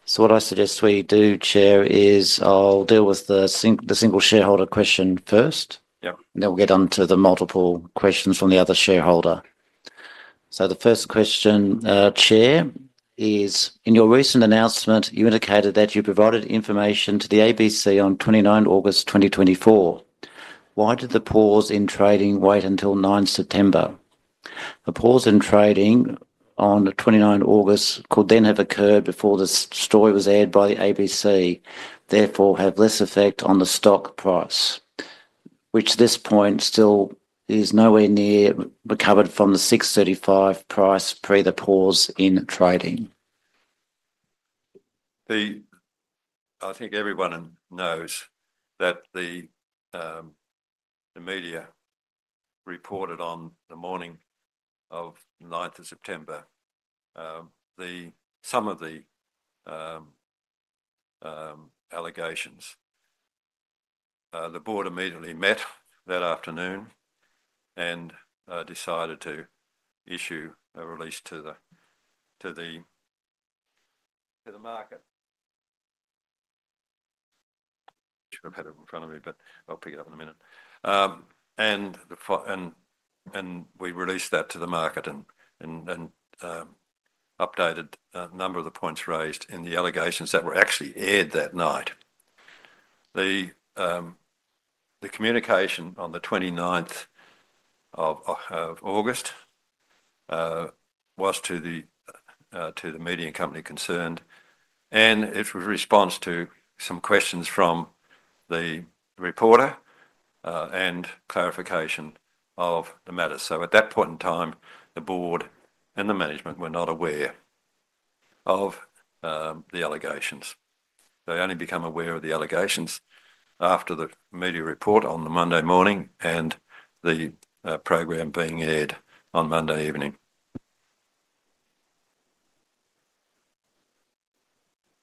So what I suggest we do, Chair, is I'll deal with the single shareholder question first, and then we'll get on to the multiple questions from the other shareholder. So the first question, Chair, is in your recent announcement, you indicated that you provided information to the ABC on 29 August 2024. Why did the pause in trading wait until 9 September? The pause in trading on 29 August could then have occurred before the story was aired by the ABC, therefore have less effect on the stock price, which at this point still is nowhere near recovered from the 635 price pre the pause in trading. I think everyone knows that the media reported on the morning of 9 September some of the allegations. The board immediately met that afternoon and decided to issue a release to the market. Should have had it in front of me, but I'll pick it up in a minute. We released that to the market and updated a number of the points raised in the allegations that were actually aired that night. The communication on the 29th of August was to the media company concerned, and it was a response to some questions from the reporter and clarification of the matter. So at that point in time, the board and the management were not aware of the allegations. They only became aware of the allegations after the media report on the Monday morning and the program being aired on Monday evening.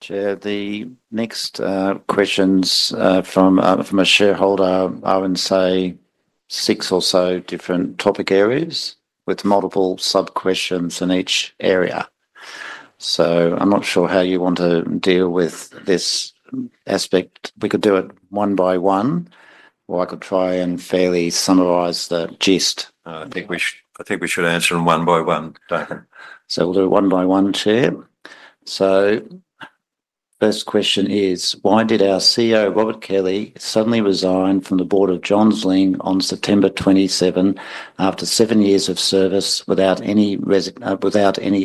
Chair, the next questions from a shareholder are in, say, six or so different topic areas with multiple sub-questions in each area. So I'm not sure how you want to deal with this aspect. We could do it one by one, or I could try and fairly summarize the gist. I think we should answer them one by one, Duncan. So we'll do it one by one, Chair. So first question is, why did our CEO, Robert Kelly, suddenly resign from the board of Johns Lyng on September 27 after seven years of service without any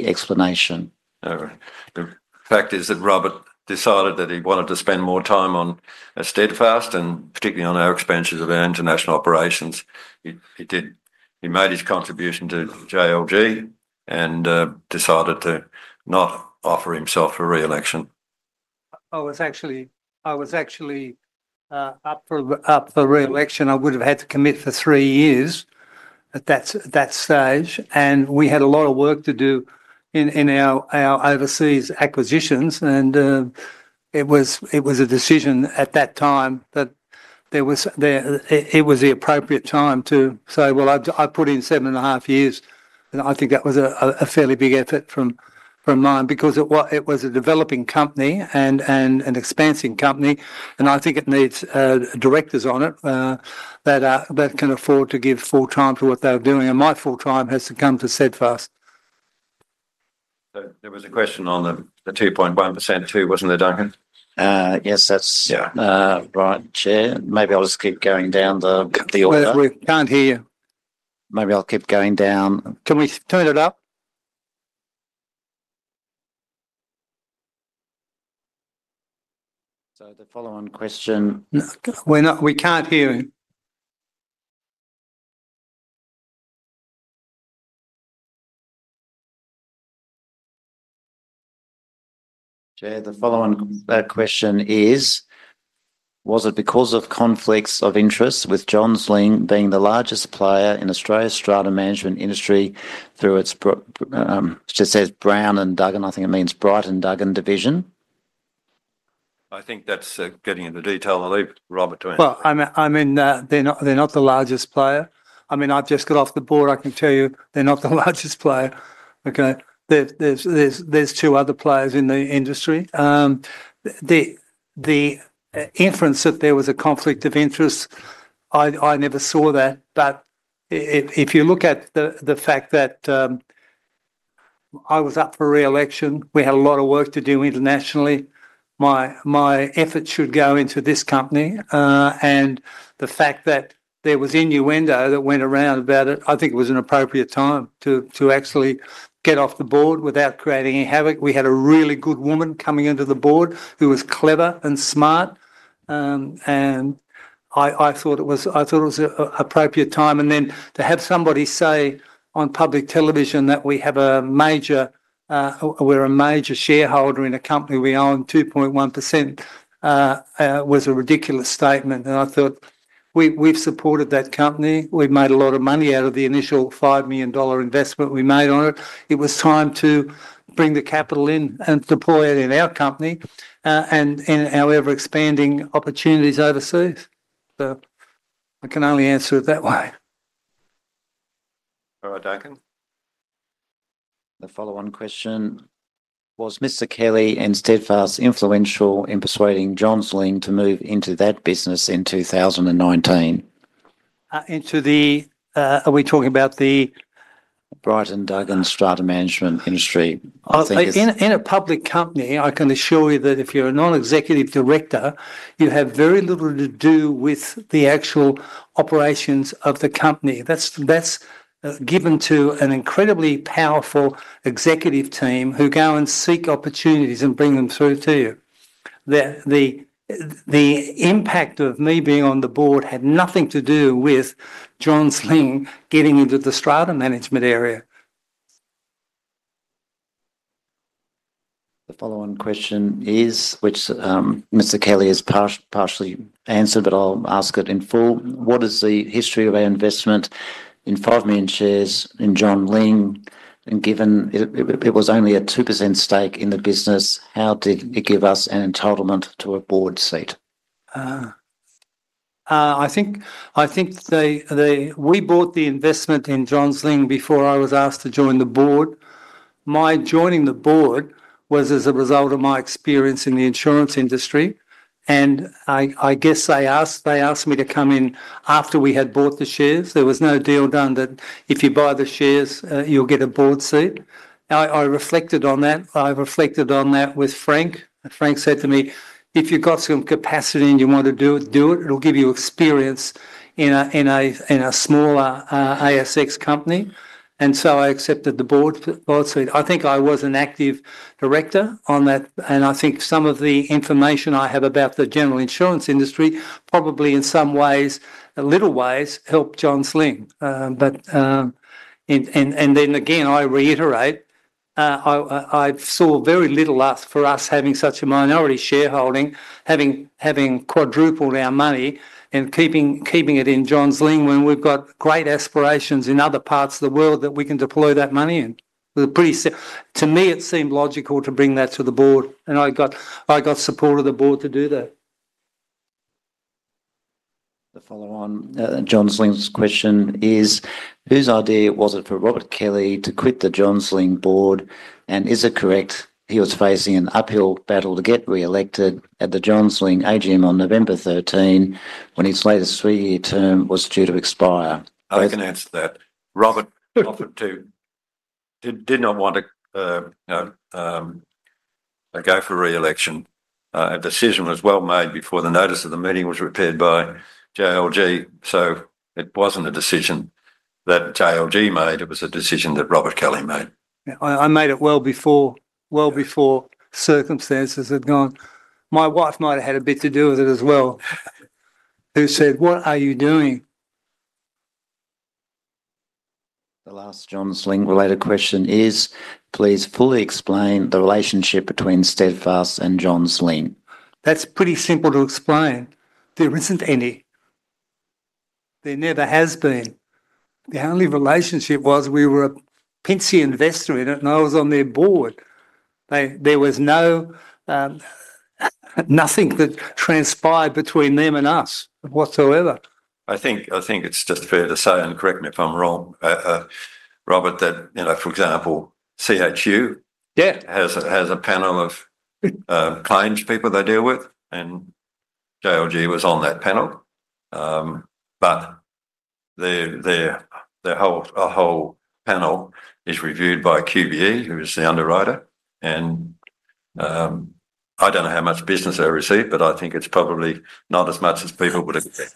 explanation? The fact is that Robert decided that he wanted to spend more time on Steadfast and particularly on our expansions of our international operations. He made his contribution to JLG and decided to not offer himself for re-election. I was actually up for re-election. I would have had to commit for three years at that stage, and we had a lot of work to do in our overseas acquisitions. And it was a decision at that time that it was the appropriate time to say, "Well, I've put in seven and a half years." And I think that was a fairly big effort from mine because it was a developing company and an expansion company. And I think it needs directors on it that can afford to give full time to what they're doing. And my full time has to come to Steadfast. There was a question on the 2.1% too, wasn't there, Duncan? Yes, that's right, Chair. Maybe I'll just keep going down the order. We can't hear you. Maybe I'll keep going down. Can we turn it up? So the following question. We can't hear him. Chair, the following question is, was it because of conflicts of interest with Johns Lyng being the largest player in Australia's strata management industry through its, it says Bright & Duggan, I think it means Bright & Duggan division? I think that's getting into detail. I'll leave Robert to answer. Well, I mean, they're not the largest player. I mean, I've just got off the board. I can tell you they're not the largest player. Okay. There's two other players in the industry. The inference that there was a conflict of interest, I never saw that. But if you look at the fact that I was up for re-election, we had a lot of work to do internationally. My efforts should go into this company. And the fact that there was innuendo that went around about it, I think it was an appropriate time to actually get off the board without creating any havoc. We had a really good woman coming into the board who was clever and smart. And I thought it was an appropriate time. And then to have somebody say on public television that we have a major shareholder in a company we own 2.1% was a ridiculous statement. And I thought we've supported that company. We've made a lot of money out of the initial 5 million dollar investment we made on it. It was time to bring the capital in and deploy it in our company and in our ever-expanding opportunities overseas. So I can only answer it that way. All right, Duncan. The follow-on question, was Mr. Kelly and Steadfast influential in persuading Johns Lyng to move into that business in 2019? Are we talking about the Bright & Duggan strata management industry? In a public company, I can assure you that if you're a non-executive director, you have very little to do with the actual operations of the company. That's given to an incredibly powerful executive team who go and seek opportunities and bring them through to you. The impact of me being on the board had nothing to do with Johns Lyng getting into the strata management area. The follow-on question is, which Mr. Kelly has partially answered, but I'll ask it in full. What is the history of our investment in five million shares in Johns Lyng? And given it was only a 2% stake in the business, how did it give us an entitlement to a board seat? I think we bought the investment in Johns Lyng before I was asked to join the board. My joining the board was as a result of my experience in the insurance industry, and I guess they asked me to come in after we had bought the shares. There was no deal done that if you buy the shares, you'll get a board seat. I reflected on that. I reflected on that with Frank. Frank said to me, "If you've got some capacity and you want to do it, do it. It'll give you experience in a smaller ASX company," and so I accepted the board seat. I think I was an active director on that, and I think some of the information I have about the general insurance industry probably in some ways, little ways, helped Johns Lyng. And then again, I reiterate, I saw very little for us having such a minority shareholding, having quadrupled our money and keeping it in Johns Lyng when we've got great aspirations in other parts of the world that we can deploy that money in. To me, it seemed logical to bring that to the board. And I got support of the board to do that. The follow-on Johns Lyng's question is, whose idea was it for Robert Kelly to quit the Johns Lyng board? And is it correct he was facing an uphill battle to get re-elected at the Johns Lyng AGM on November 13 when his latest three-year term was due to expire? I can answer that. Robert offered to, did not want to go for re-election. A decision was well made before the notice of the meeting was prepared by JLG. So it wasn't a decision that JLG made. It was a decision that Robert Kelly made. I made it well before circumstances had changed. My wife might have had a bit to do with it as well, who said, "What are you doing?" The last Johns Lyng-related question is, please fully explain the relationship between Steadfast and Johns Lyng. That's pretty simple to explain. There isn't any. There never has been. The only relationship was we were a passive investor in it, and I was on their board. There was nothing that transpired between them and us whatsoever. I think it's just fair to say, and correct me if I'm wrong, Robert, that, for example, CHU has a panel of claims people they deal with, and JLG was on that panel. But their whole panel is reviewed by QBE, who is the underwriter. I don't know how much business they receive, but I think it's probably not as much as people would expect.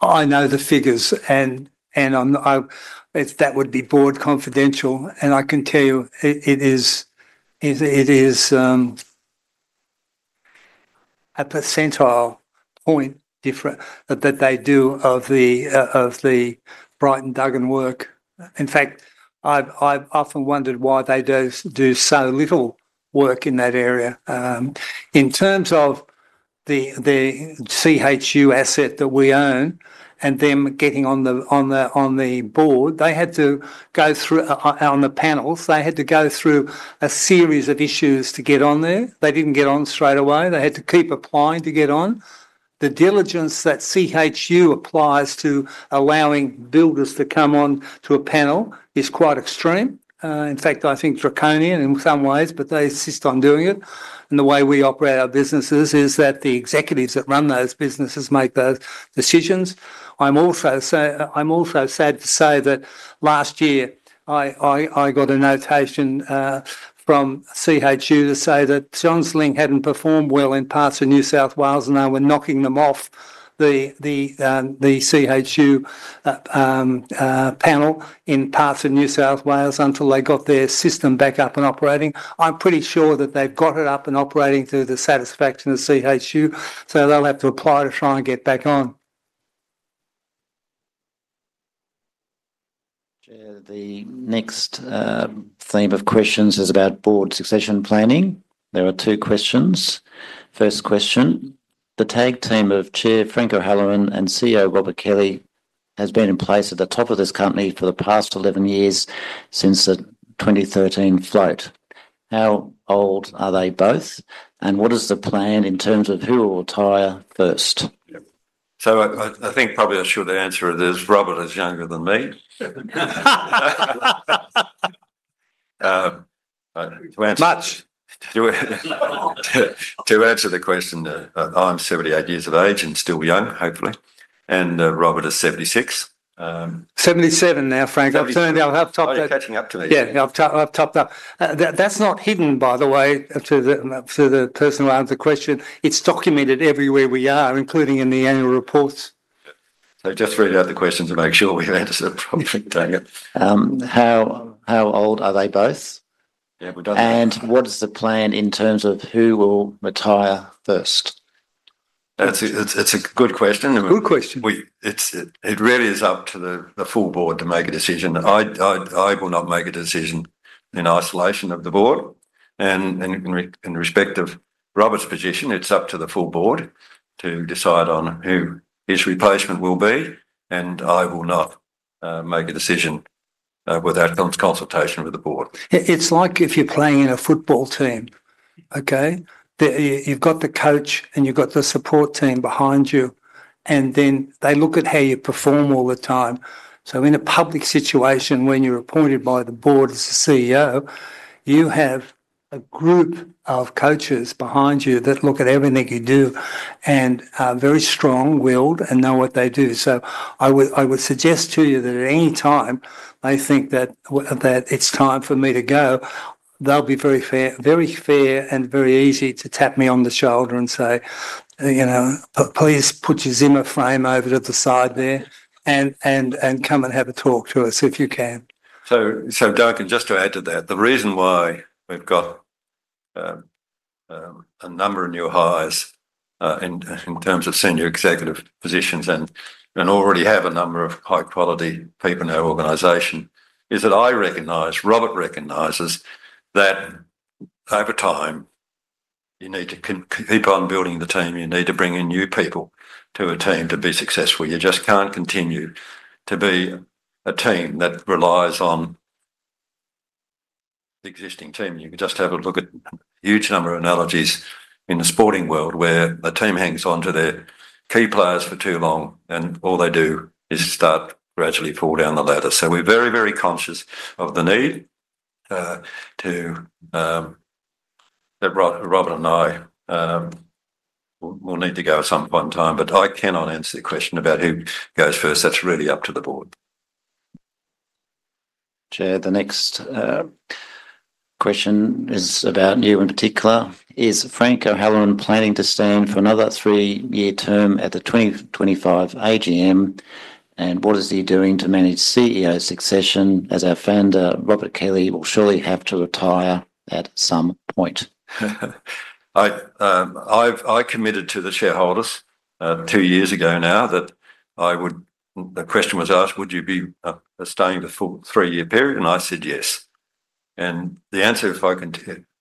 I know the figures, and that would be board confidential. I can tell you it is a percentage point different that they do of the Bright & Duggan work. In fact, I've often wondered why they do so little work in that area. In terms of the CHU asset that we own and them getting on the board, they had to go through on the panels, they had to go through a series of issues to get on there. They didn't get on straight away. They had to keep applying to get on. The diligence that CHU applies to allowing builders to come on to a panel is quite extreme. In fact, I think draconian in some ways, but they insist on doing it. And the way we operate our businesses is that the executives that run those businesses make those decisions. I'm also sad to say that last year, I got a notation from CHU to say that Johns Lyng hadn't performed well in parts of New South Wales, and they were knocking them off the CHU panel in parts of New South Wales until they got their system back up and operating. I'm pretty sure that they've got it up and operating through the satisfaction of CHU, so they'll have to apply to try and get back on. Chair, the next theme of questions is about board succession planning. There are two questions. First question, the tag team of Chair Frank O'Halloran and CEO Robert Kelly has been in place at the top of this company for the past 11 years since the 2013 float. How old are they both? What is the plan in terms of who will retire first? So I think probably I should answer it as Robert is younger than me. To answer the question, I'm 78 years of age and still young, hopefully. And Robert is 76. 77 now, Frank. I've topped that. Are you catching up to me? Yeah, I've topped that. That's not hidden, by the way, to the person who asked the question. It's documented everywhere we are, including in the annual reports. So just read out the questions and make sure we've answered it properly, Duncan. How old are they both? Yeah, we've done that. And what is the plan in terms of who will retire first? It's a good question. Good question. It really is up to the full board to make a decision. I will not make a decision in isolation of the board. And in respect of Robert's position, it's up to the full board to decide on who his replacement will be. And I will not make a decision without consultation with the board. It's like if you're playing in a football team, okay? You've got the coach and you've got the support team behind you. And then they look at how you perform all the time. So in a public situation when you're appointed by the board as the CEO, you have a group of coaches behind you that look at everything you do and are very strong-willed and know what they do. So I would suggest to you that at any time they think that it's time for me to go, they'll be very fair and very easy to tap me on the shoulder and say, "Please put your Zimmer frame over to the side there and come and have a talk to us if you can." So, Duncan, just to add to that, the reason why we've got a number of new hires in terms of senior executive positions and already have a number of high-quality people in our organization is that I recognize, Robert recognizes that over time, you need to keep on building the team. You need to bring in new people to a team to be successful. You just can't continue to be a team that relies on the existing team. You can just have a look at a huge number of analogies in the sporting world where the team hangs on to their key players for too long, and all they do is start gradually falling down the ladder. So we're very, very conscious of the need to Robert and I will need to go at some point in time. But I cannot answer the question about who goes first. That's really up to the board. Chair, the next question is about you in particular. Is Frank O'Halloran planning to stay in for another three-year term at the 2025 AGM? And what is he doing to manage CEO succession? As I've found, Robert Kelly will surely have to retire at some point. I committed to the shareholders two years ago now that the question was asked, "Would you be staying the full three-year period?" And I said yes. And the answer, if I can,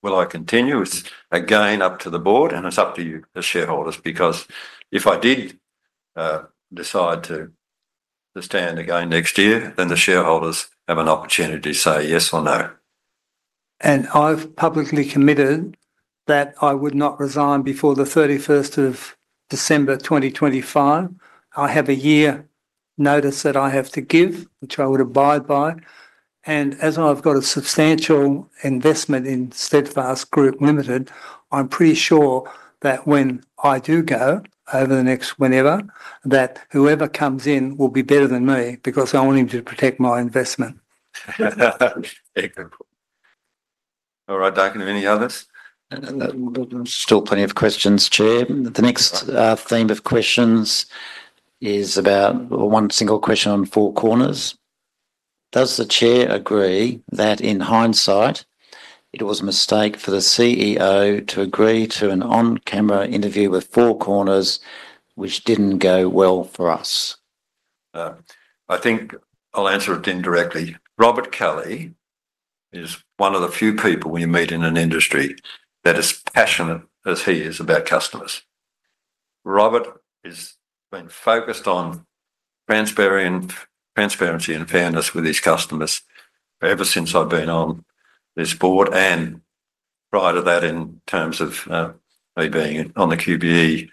will I continue, is again up to the board, and it's up to you, the shareholders, because if I did decide to stand again next year, then the shareholders have an opportunity to say yes or no. And I've publicly committed that I would not resign before the 31st of December 2025. I have a year notice that I have to give, which I would abide by. And as I've got a substantial investment in Steadfast Group Limited, I'm pretty sure that when I do go over the next whenever, that whoever comes in will be better than me because I want him to protect my investment. All right, Duncan, any others? Still plenty of questions, Chair. The next theme of questions is about one single question on Four Corners. Does the Chair agree that in hindsight, it was a mistake for the CEO to agree to an on-camera interview with Four Corners, which didn't go well for us? I think I'll answer it indirectly. Robert Kelly is one of the few people we meet in an industry that is passionate as he is about customers. Robert has been focused on transparency and fairness with his customers ever since I've been on this board. Prior to that, in terms of me being the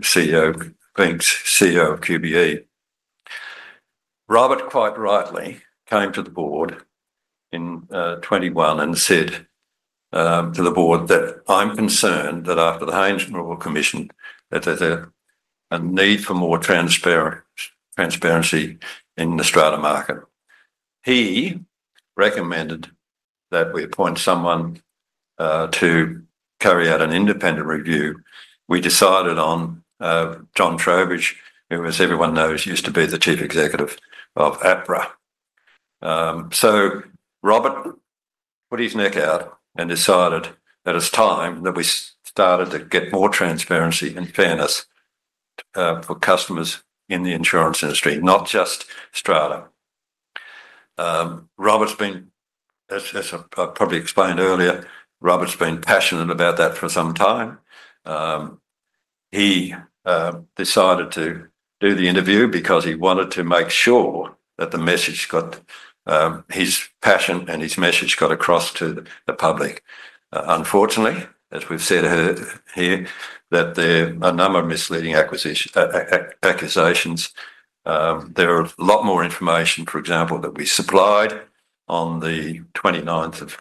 CEO of QBE, Robert quite rightly came to the board in 2021 and said to the board that I'm concerned that after the Hayne Royal Commission, that there's a need for more transparency in the strata market. He recommended that we appoint someone to carry out an independent review. We decided on John Trowbridge, who as everyone knows used to be the chief executive of APRA. So Robert put his neck out and decided that it's time that we started to get more transparency and fairness for customers in the insurance industry, not just strata. Robert's been, as I probably explained earlier, Robert's been passionate about that for some time. He decided to do the interview because he wanted to make sure that his passion and his message got across to the public. Unfortunately, as we've said here, that there are a number of misleading accusations. There are a lot more information, for example, that we supplied on the 29th of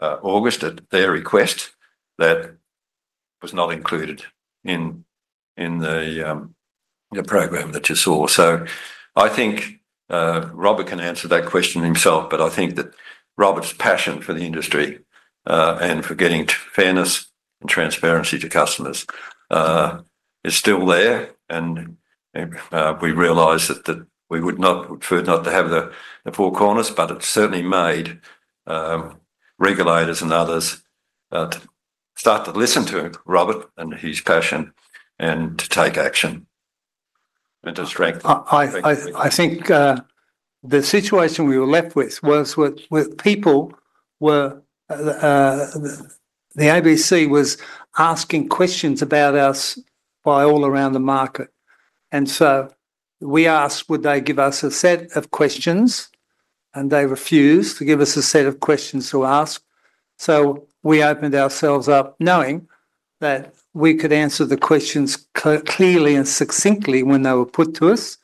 August at their request that was not included in the program that you saw. So I think Robert can answer that question himself, but I think that Robert's passion for the industry and for getting fairness and transparency to customers is still there. We realize that we would prefer not to have the Four Corners, but it certainly made regulators and others start to listen to Robert and his passion and to take action and to strengthen things. I think the situation we were left with was with people where the ABC was asking questions about us by all around the market. So we asked, would they give us a set of questions? And they refused to give us a set of questions to ask. We opened ourselves up knowing that we could answer the questions clearly and succinctly when they were put to us,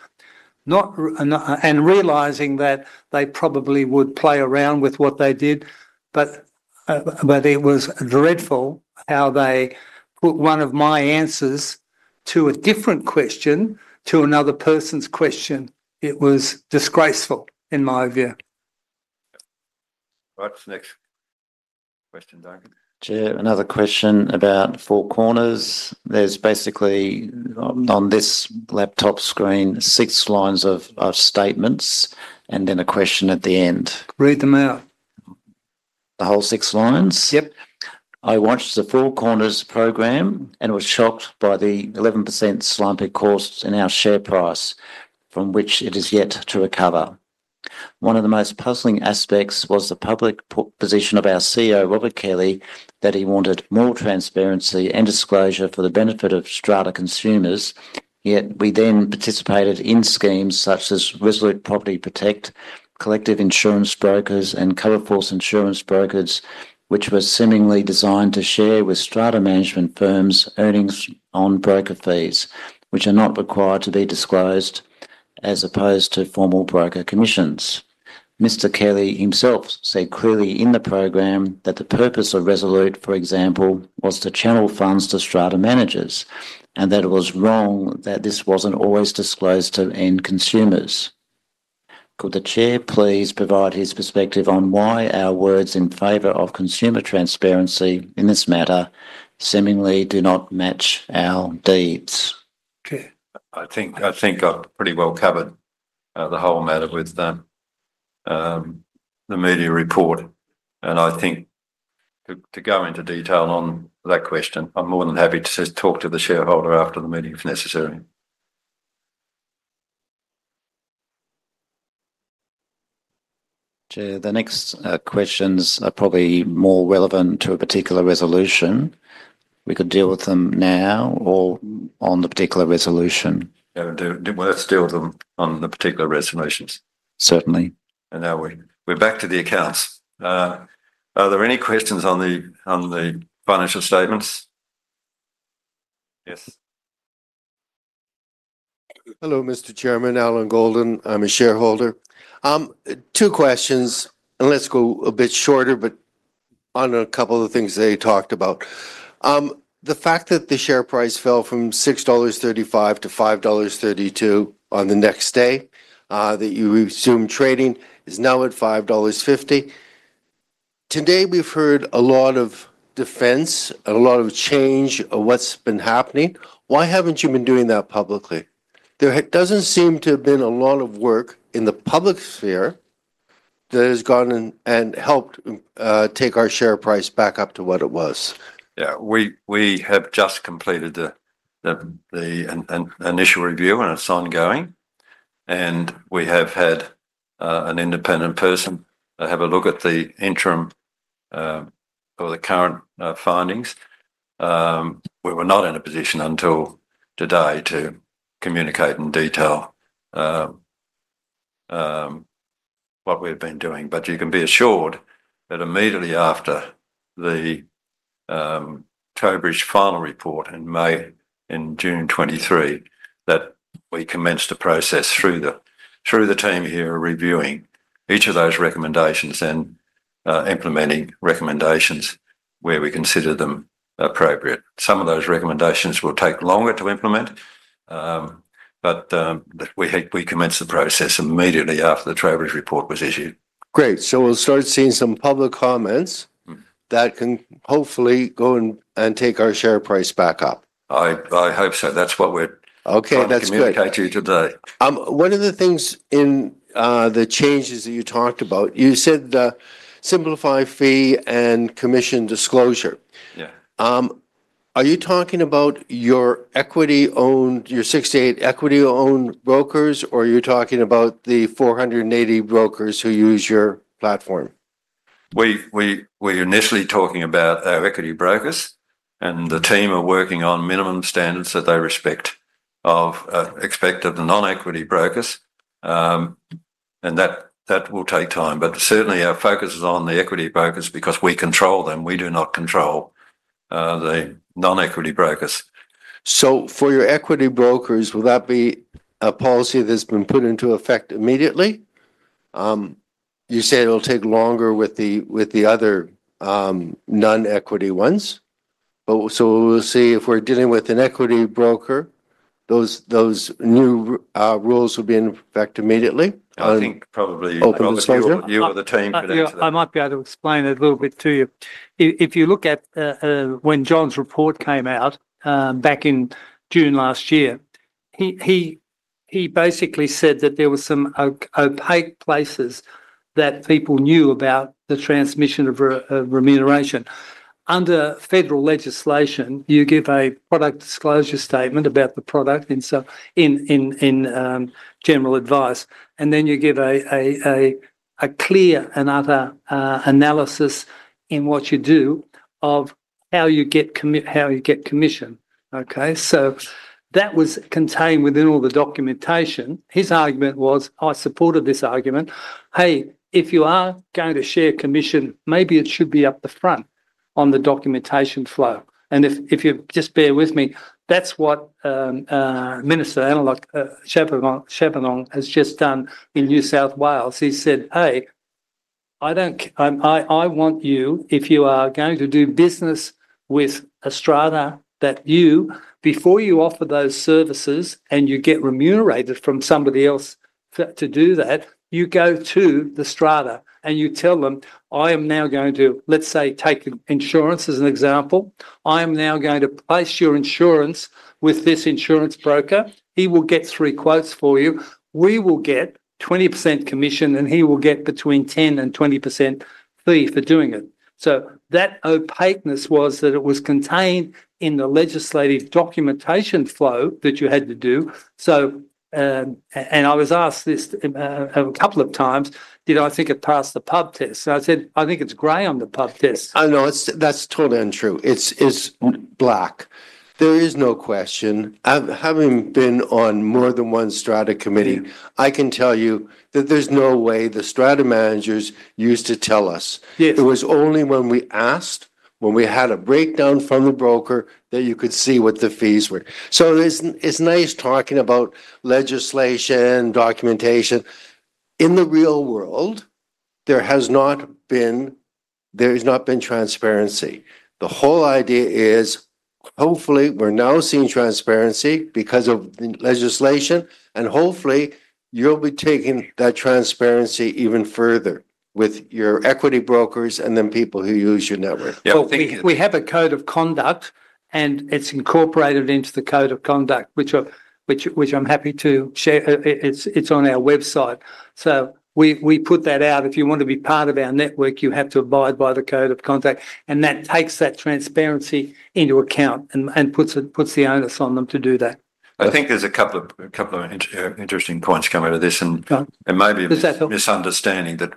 and realizing that they probably would play around with what they did. But it was dreadful how they put one of my answers to a different question to another person's question. It was disgraceful, in my view. All right, next question, Duncan. Chair, another question about Four Corners. There's basically on this laptop screen six lines of statements and then a question at the end. Read them out. The whole six lines? Yep. I watched the Four Corners program and was shocked by the 11% slump it caused in our share price from which it has yet to recover. One of the most puzzling aspects was the public position of our CEO, Robert Kelly, that he wanted more transparency and disclosure for the benefit of strata consumers. Yet we then participated in schemes such as Resolute Property Protect, Collective Insurance Brokers, and Coverforce Insurance Brokers, which were seemingly designed to share with strata management firms earnings on broker fees, which are not required to be disclosed, as opposed to formal broker commissions. Mr. Kelly himself said clearly in the program that the purpose of Resolute, for example, was to channel funds to strata managers and that it was wrong that this wasn't always disclosed to end consumers. Could the Chair please provide his perspective on why our words in favor of consumer transparency in this matter seemingly do not match our deeds? Chair? I think I've pretty well covered the whole matter with the media report. And I think to go into detail on that question, I'm more than happy to talk to the shareholder after the meeting if necessary. Chair, the next questions are probably more relevant to a particular resolution. We could deal with them now or on the particular resolution. Yeah, let's deal with them on the particular resolutions. Certainly. And now we're back to the accounts. Are there any questions on the financial statements? Yes. Hello, Mr. Chairman. Alan Golden. I'm a shareholder. Two questions and let's go a bit shorter, but on a couple of things they talked about. The fact that the share price fell from 6.35 dollars to 5.32 dollars on the next day that you resumed trading. It is now at 5.50 dollars. Today, we've heard a lot of defense and a lot of change of what's been happening. Why haven't you been doing that publicly? There doesn't seem to have been a lot of work in the public sphere that has gone and helped take our share price back up to what it was. Yeah, we have just completed the initial review and it's ongoing, and we have had an independent person have a look at the interim or the current findings. We were not in a position until today to communicate in detail what we've been doing. But you can be assured that immediately after the Trowbridge final report in June 2023, that we commenced a process through the team here reviewing each of those recommendations and implementing recommendations where we consider them appropriate. Some of those recommendations will take longer to implement, but we commenced the process immediately after the Trowbridge report was issued. Great. So we'll start seeing some public comments that can hopefully go and take our share price back up. I hope so. That's what we're looking to communicate to you today. One of the things in the changes that you talked about, you said the simplified fee and commission disclosure. Are you talking about your equity-owned, your 68 equity-owned brokers, or are you talking about the 480 brokers who use your platform? We were initially talking about our equity brokers and the team are working on minimum standards that they expect of the non-equity brokers. That will take time. But certainly, our focus is on the equity brokers because we control them. We do not control the non-equity brokers. So for your equity brokers, will that be a policy that's been put into effect immediately? You said it'll take longer with the other non-equity ones. So we'll see if we're dealing with an equity broker, those new rules will be in effect immediately? I think probably you or the team could answer that. I might be able to explain it a little bit to you. If you look at when John's report came out back in June last year, he basically said that there were some opaque practices that people knew about the transmission of remuneration. Under federal legislation, you give a product disclosure statement about the product in general advice. And then you give a clear and utter analysis in what you do of how you get commission. Okay? So that was contained within all the documentation. His argument was, I supported this argument. Hey, if you are going to share commission, maybe it should be up the front on the documentation flow. And if you just bear with me, that's what Minister Jihad Dib has just done in New South Wales. He said, "Hey, I want you, if you are going to do business with a strata that you, before you offer those services and you get remunerated from somebody else to do that, you go to the strata and you tell them, 'I am now going to, let's say, take insurance as an example. I am now going to place your insurance with this insurance broker. He will get three quotes for you. We will get 20% commission, and he will get between 10%-20% fee for doing it," so that opaqueness was that it was contained in the legislative documentation flow that you had to do. And I was asked this a couple of times, did I think it passed the pub test? And I said, "I think it's gray on the pub test." I know that's totally untrue. It's black. There is no question. Having been on more than one strata committee, I can tell you that there's no way the strata managers used to tell us. It was only when we asked, when we had a breakdown from the broker that you could see what the fees were. So it's nice talking about legislation, documentation. In the real world, there has not been transparency. The whole idea is, hopefully, we're now seeing transparency because of the legislation. And hopefully, you'll be taking that transparency even further with your equity brokers and then people who use your network. We have a code of conduct, and it's incorporated into the code of conduct, which I'm happy to share. It's on our website. So we put that out. If you want to be part of our network, you have to abide by the code of conduct. And that takes that transparency into account and puts the onus on them to do that. I think there's a couple of interesting points coming out of this. And maybe a misunderstanding that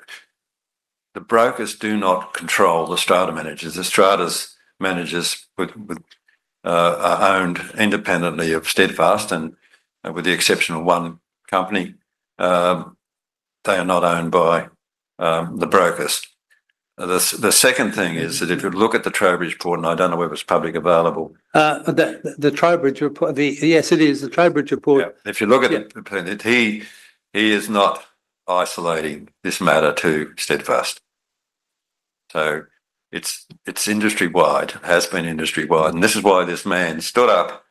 the brokers do not control the strata managers. The strata managers are owned independently of Steadfast. And with the exception of one company, they are not owned by the brokers. The second thing is that if you look at the Trowbridge report, and I don't know whether it's publicly available. The Trowbridge report, yes, it is the Trowbridge report. Yeah. If you look at it, he is not isolating this matter to Steadfast. So it's industry-wide, has been industry-wide. And this is why this man stood up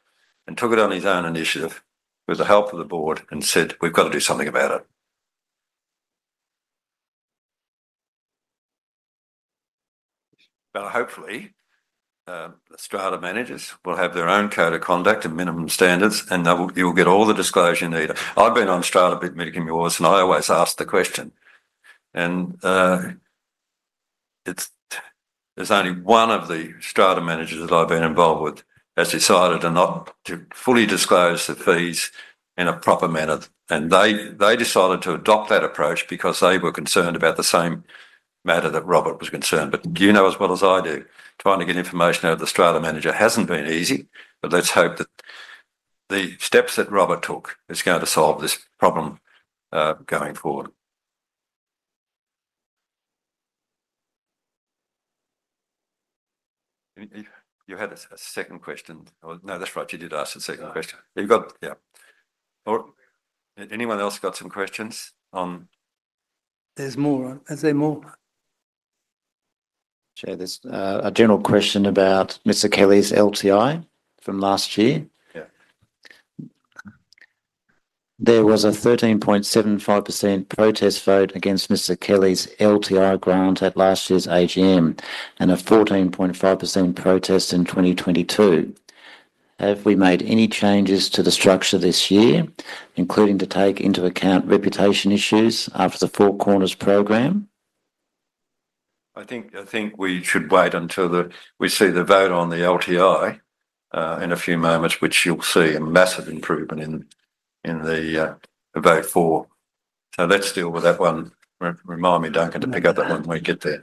and took it on his own initiative with the help of the board and said, "We've got to do something about it." Now, hopefully, the strata managers will have their own code of conduct and minimum standards, and you'll get all the disclosure you need. I've been on strata meetings, and I always ask the question. And there's only one of the strata managers that I've been involved with has decided to not fully disclose the fees in a proper manner. And they decided to adopt that approach because they were concerned about the same matter that Robert was concerned. But you know as well as I do, trying to get information out of the strata manager hasn't been easy. But let's hope that the steps that Robert took is going to solve this problem going forward. You had a second question. No, that's right. You did ask a second question. Yeah. Anyone else got some questions on? There's more. Is there more? Chair, there's a general question about Mr. Kelly's LTI from last year. There was a 13.75% protest vote against Mr. Kelly's LTI grant at last year's AGM and a 14.5% protest in 2022. Have we made any changes to the structure this year, including to take into account reputation issues after the Four Corners program? I think we should wait until we see the vote on the LTI in a few moments, which you'll see a massive improvement in the vote for. So let's deal with that one. Remind me, Duncan, to pick up that one when we get there.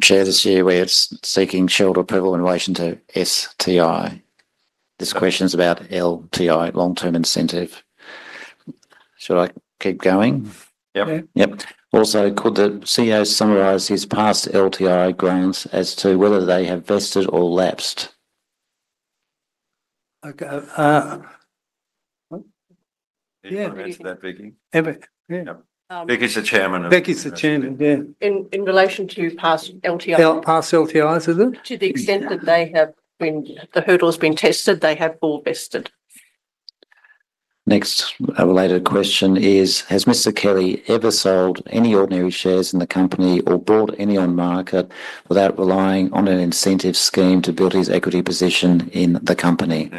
Chair, this year, we're seeking shareholder approval in relation to STI. This question is about LTI, long-term incentive. Shall I keep going? Yep. Yep. Also, could the CEO summarize his past LTI grants as to whether they have vested or lapsed? Yeah. Can you answer that, Vicki? Vicki's the chairman of the board. Vicki's the chairman, yeah. In relation to past LTIs? Past LTIs, is it? To the extent that the hurdle has been tested, they have all vested. Next related question is, has Mr. Kelly ever sold any ordinary shares in the company or bought any on market without relying on an incentive scheme to build his equity position in the company?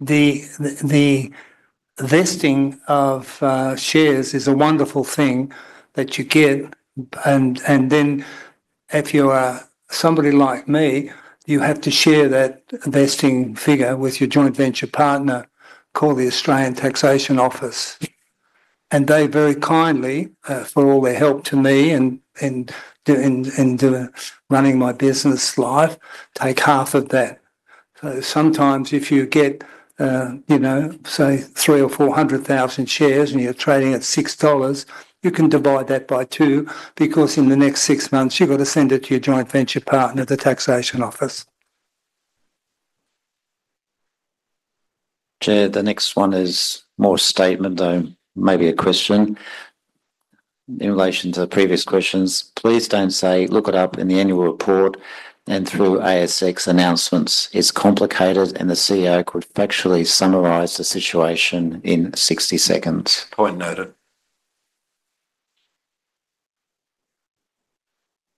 The vesting of shares is a wonderful thing that you get. And then if you are somebody like me, you have to share that vesting figure with your joint venture partner called the Australian Taxation Office. And they very kindly, for all their help to me and in running my business life, take half of that. So sometimes if you get, say, three or 400,000 shares and you're trading at $6, you can divide that by two because in the next six months, you've got to send it to your joint venture partner, the Taxation Office. Chair, the next one is more a statement, though, maybe a question. In relation to the previous questions, please don't say, "Look it up in the annual report and through ASX announcements." It's complicated, and the CEO could factually summarize the situation in 60 seconds. Point noted.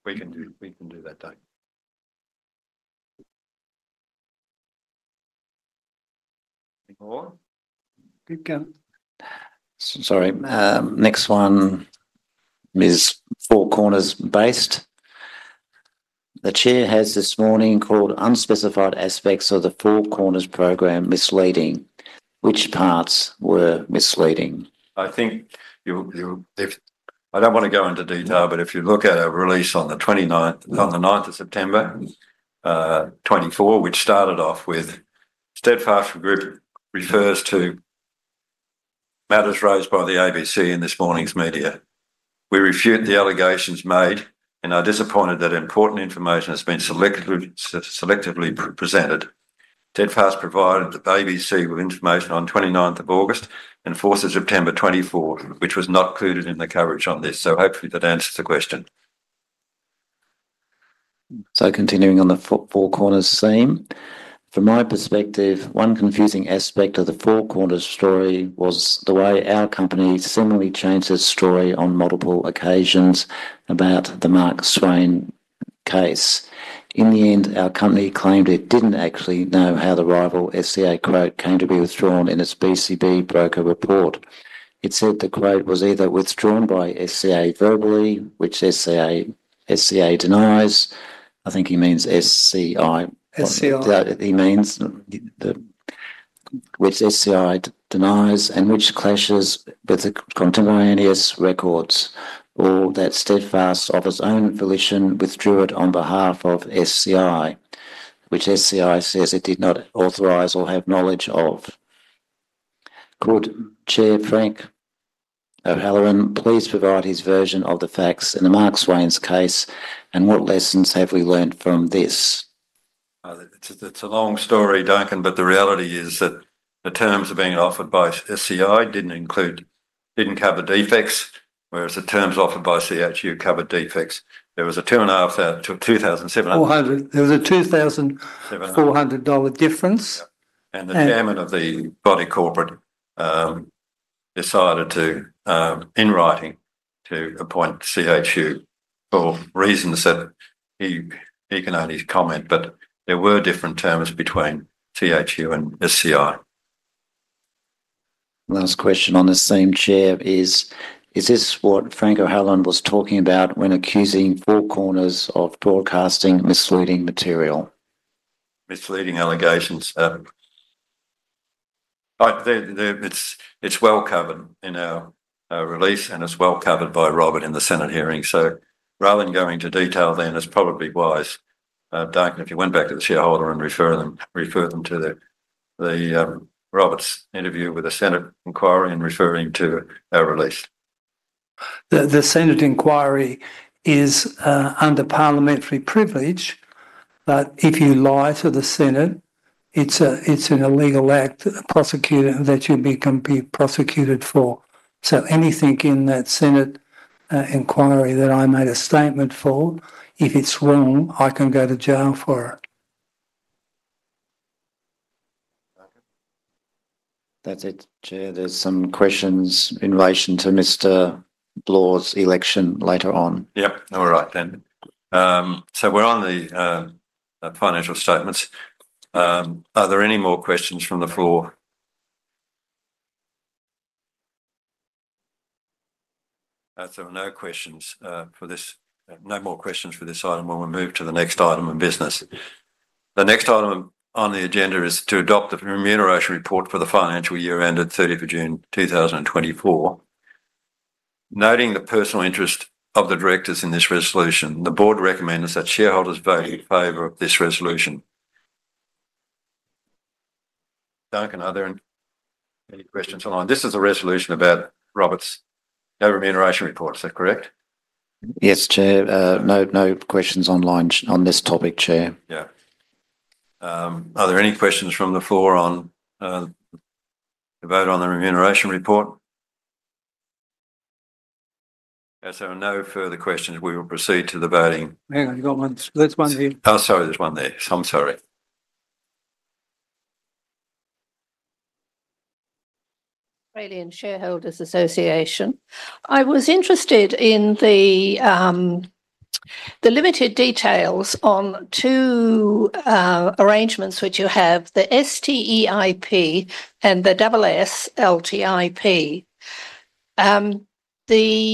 We can do that, Duncan. Any more? Sorry. Next one is Four Corners Based. The chair has this morning called unspecified aspects of the Four Corners program misleading. Which parts were misleading? I think I don't want to go into detail, but if you look at a release on the 9th of September 2024, which started off with, "Steadfast Group refers to matters raised by the ABC in this morning's media. We refute the allegations made and are disappointed that important information has been selectively presented. Steadfast provided the ABC with information on 29th of August and 4th of September 2024, which was not included in the coverage on this. So hopefully, that answers the question. So continuing on the Four Corners theme, from my perspective, one confusing aspect of the Four Corners story was the way our company similarly changed its story on multiple occasions about the Mark Swain case. In the end, our company claimed it didn't actually know how the rival SCI quote came to be withdrawn in its BCB broker report. It said the quote was either withdrawn by SCI verbally, which SCI denies. I think he means SCI, which SCI denies, and which clashes with the contemporaneous records. Or that Steadfast, of its own volition, withdrew it on behalf of SCI, which SCI says it did not authorize or have knowledge of. Could Chair Frank O'Halloran please provide his version of the facts in the Mark Swain's case, and what lessons have we learned from this? It's a long story, Duncan, but the reality is that the terms of being offered by SCI didn't cover defects, whereas the terms offered by CHU covered defects. There was an 2,700. There was an 2,400 dollar difference. And the chairman of the body corporate decided in writing to appoint CHU for reasons that he can only comment, but there were different terms between CHU and SCI. Last question on the same, Chair, is this what Frank O'Halloran was talking about when accusing Four Corners of broadcasting misleading material? Misleading allegations. It's well covered in our release, and it's well covered by Robert in the Senate hearing. So rather than going into detail then, it's probably wise, Duncan, if you went back to the shareholder and refer them to Robert's interview with the Senate inquiry and referring to our release. The Senate inquiry is under parliamentary privilege, but if you lie to the Senate, it's an illegal act that you'll be prosecuted for. So anything in that Senate inquiry that I made a statement for, if it's wrong, I can go to jail for it. That's it, Chair. There's some questions in relation to Mr. Bloore's election later on. Yep. All right then. So we're on the financial statements. Are there any more questions from the floor? So no questions for this. No more questions for this item when we move to the next item of business. The next item on the agenda is to adopt the Remuneration Report for the financial year ended 30th of June 2024. Noting the personal interest of the directors in this resolution, the board recommends that shareholders vote in favor of this resolution. Duncan, are there any questions online? This is a resolution about Robert's Remuneration Report. Is that correct? Yes, Chair. No questions online on this topic, Chair. Yeah. Are there any questions from the floor on the vote on the Remuneration Report? So no further questions. We will proceed to the voting. Hang on. You got one. There's one here. Oh, sorry. There's one there. I'm sorry. Australian Shareholders Association. I was interested in the limited details on two arrangements which you have, the STEIP and the SSLTIP.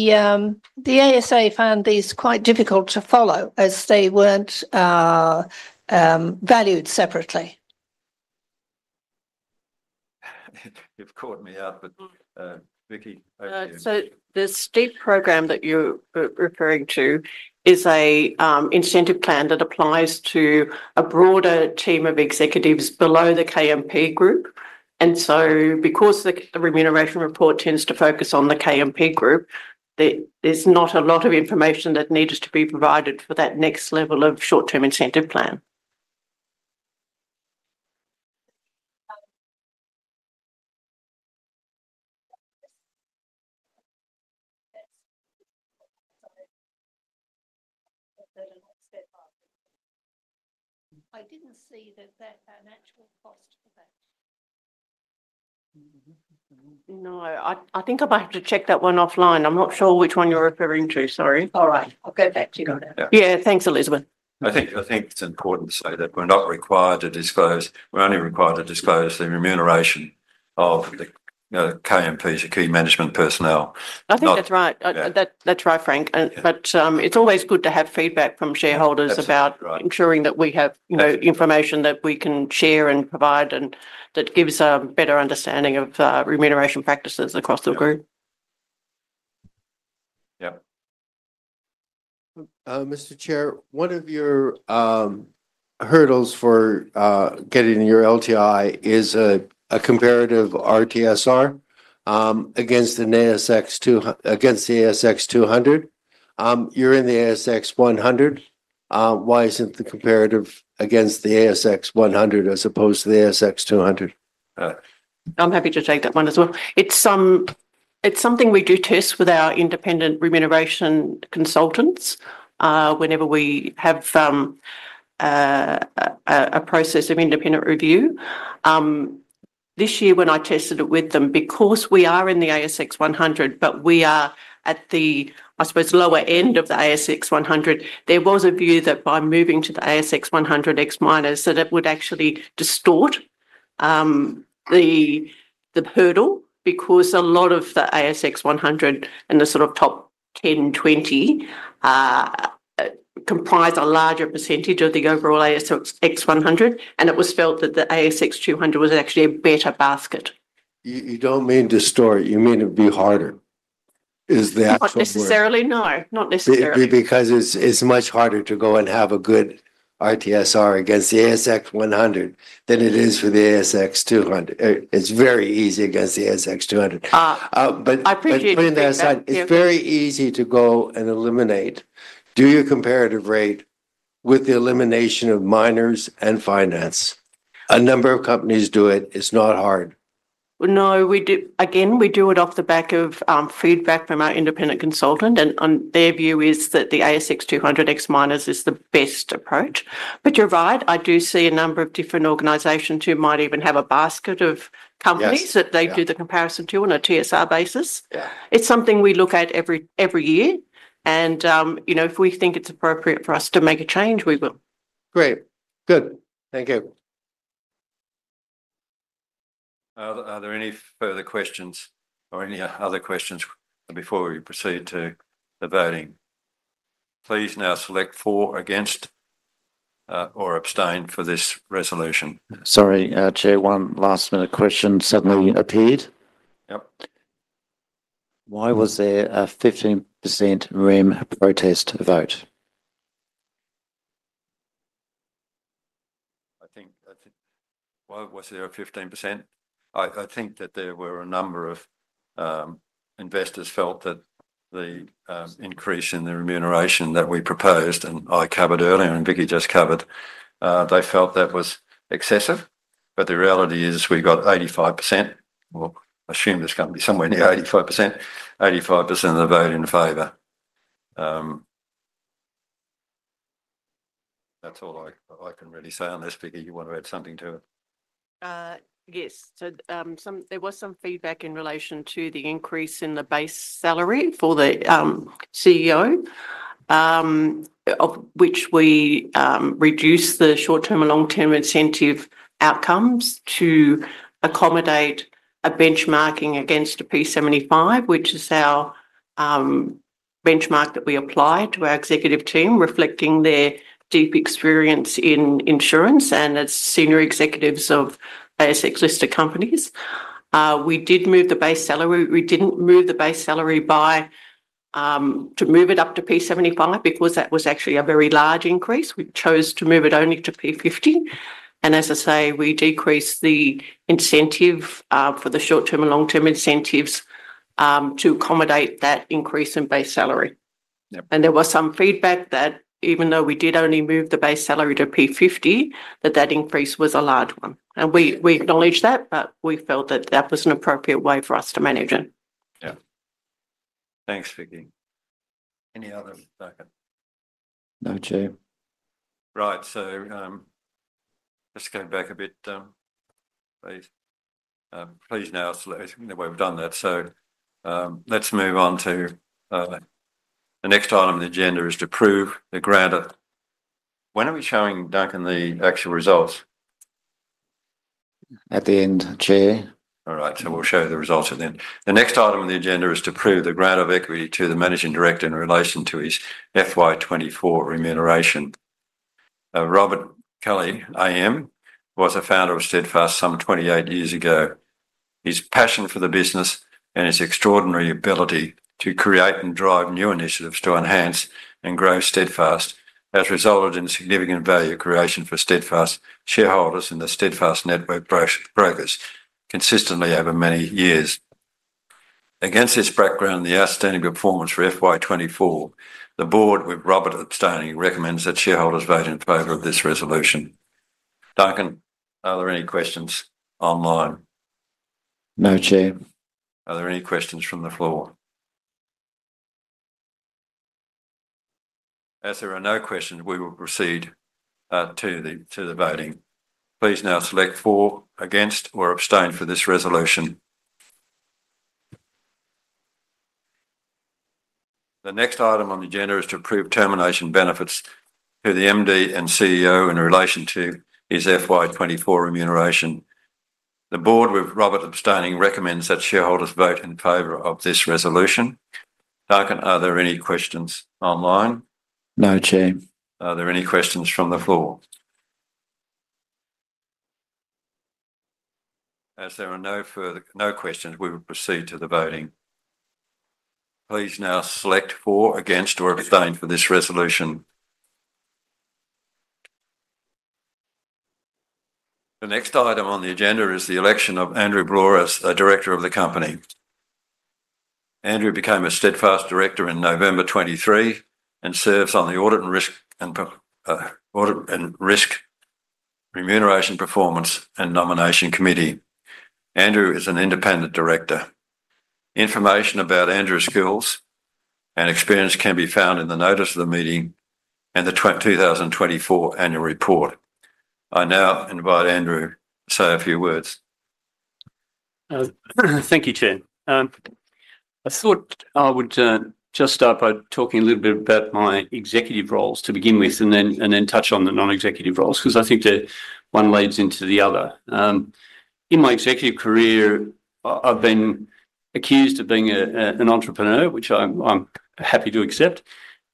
The ASA found these quite difficult to follow as they weren't valued separately. You've caught me up, but Vicki, over to you. So the STEIP program that you're referring to is an incentive plan that applies to a broader team of executives below the KMP group. And so because the Remuneration Report tends to focus on the KMP group, there's not a lot of information that needs to be provided for that next level of short-term incentive plan. I didn't see that that's an actual cost for that. No. I think I might have to check that one offline. I'm not sure which one you're referring to. Sorry. All right. I'll get back to you on that. Yeah. Thanks, Elizabeth. I think it's important to say that we're not required to disclose. We're only required to disclose the remuneration of the KMPs, the key management personnel. I think that's right. That's right, Frank. But it's always good to have feedback from shareholders about ensuring that we have information that we can share and provide and that gives a better understanding of remuneration practices across the group. Yeah. Mr. Chair, one of your hurdles for getting your LTI is a comparative RTSR against the ASX 200. You're in the ASX 100. Why isn't the comparative against the ASX 100 as opposed to the ASX 200? I'm happy to take that one as well. It's something we do test with our independent remuneration consultants whenever we have a process of independent review. This year, when I tested it with them, because we are in the ASX 100, but we are at the, I suppose, lower end of the ASX 100, there was a view that by moving to the ASX 100 Ex-Miners, that it would actually distort the hurdle because a lot of the ASX 100 and the sort of top 10, 20 comprise a larger percentage of the overall ASX 100. And it was felt that the ASX 200 was actually a better basket. You don't mean distort. You mean it would be harder. Is that? Not necessarily, no. Not necessarily. Because it's much harder to go and have a good RTSR against the ASX 100 than it is for the ASX 200. It's very easy against the ASX 200. But putting that aside, it's very easy to go and eliminate. Do your comparative rate with the elimination of miners and financials. A number of companies do it. It's not hard. No, again, we do it off the back of feedback from our independent consultant. And their view is that the ASX 200 ex-mining is the best approach. But you're right. I do see a number of different organizations who might even have a basket of companies that they do the comparison to on a TSR basis. It's something we look at every year. And if we think it's appropriate for us to make a change, we will. Great. Good. Thank you. Are there any further questions or any other questions before we proceed to the voting? Please now select for, against, or abstain for this resolution. Sorry, Chair. One last minute question suddenly appeared. Yep. Why was there a 15% remuneration protest vote? I think why was there a 15%? I think that there were a number of investors who felt that the increase in the remuneration that we proposed, and I covered earlier and Vicki just covered, they felt that was excessive. But the reality is we got 85%. We'll assume there's going to be somewhere near 85%. 85% of the vote in favor. That's all I can really say on this. Vicki, you want to add something to it? Yes. So there was some feedback in relation to the increase in the base salary for the CEO, which we reduced the short-term and long-term incentive outcomes to accommodate a benchmarking against the P75, which is our benchmark that we apply to our executive team, reflecting their deep experience in insurance and as senior executives of ASX-listed companies. We did move the base salary. We didn't move the base salary to move it up to P75 because that was actually a very large increase. We chose to move it only to P50. And as I say, we decreased the incentive for the short-term and long-term incentives to accommodate that increase in base salary. And there was some feedback that even though we did only move the base salary to P50, that that increase was a large one. And we acknowledge that, but we felt that that was an appropriate way for us to manage it. Yeah. Thanks, Vicki. Any other, Duncan? No, Chair. Right. So just going back a bit, please. Please now select the way we've done that. So let's move on to the next item of the agenda is to approve the grant of when are we showing Duncan the actual results? At the end, Chair. All right. So we'll show the results at the end. The next item of the agenda is to approve the grant of equity to the Managing Director in relation to his FY 2024 remuneration. Robert Kelly AM, was a Founder of Steadfast some 28 years ago. His passion for the business and his extraordinary ability to create and drive new initiatives to enhance and grow Steadfast has resulted in significant value creation for Steadfast shareholders and the Steadfast network brokers consistently over many years. Against this background, the outstanding performance for FY 2024, the board, with Robert abstaining, recommends that shareholders vote in favor of this resolution. Duncan, are there any questions online? No, Chair. Are there any questions from the floor? As there are no questions, we will proceed to the voting. Please now select for, against, or abstain for this resolution. The next item on the agenda is to approve termination benefits to the MD and CEO in relation to his FY 2024 remuneration. The board, with Robert abstaining, recommends that shareholders vote in favor of this resolution. Duncan, are there any questions online? No, Chair. Are there any questions from the floor? As there are no questions, we will proceed to the voting. Please now select for, against, or abstain for this resolution. The next item on the agenda is the election of Andrew Bloore, as the Director of the company. Andrew became a Steadfast director in November 2023 and serves on the audit and risk remuneration performance and nomination committee. Andrew is an independent director. Information about Andrew's skills and experience can be found in the notice of the meeting and the 2024 annual report. I now invite Andrew to say a few words. Thank you, Chair. I thought I would just start by talking a little bit about my executive roles to begin with and then touch on the non-executive roles because I think one leads into the other. In my executive career, I've been accused of being an entrepreneur, which I'm happy to accept,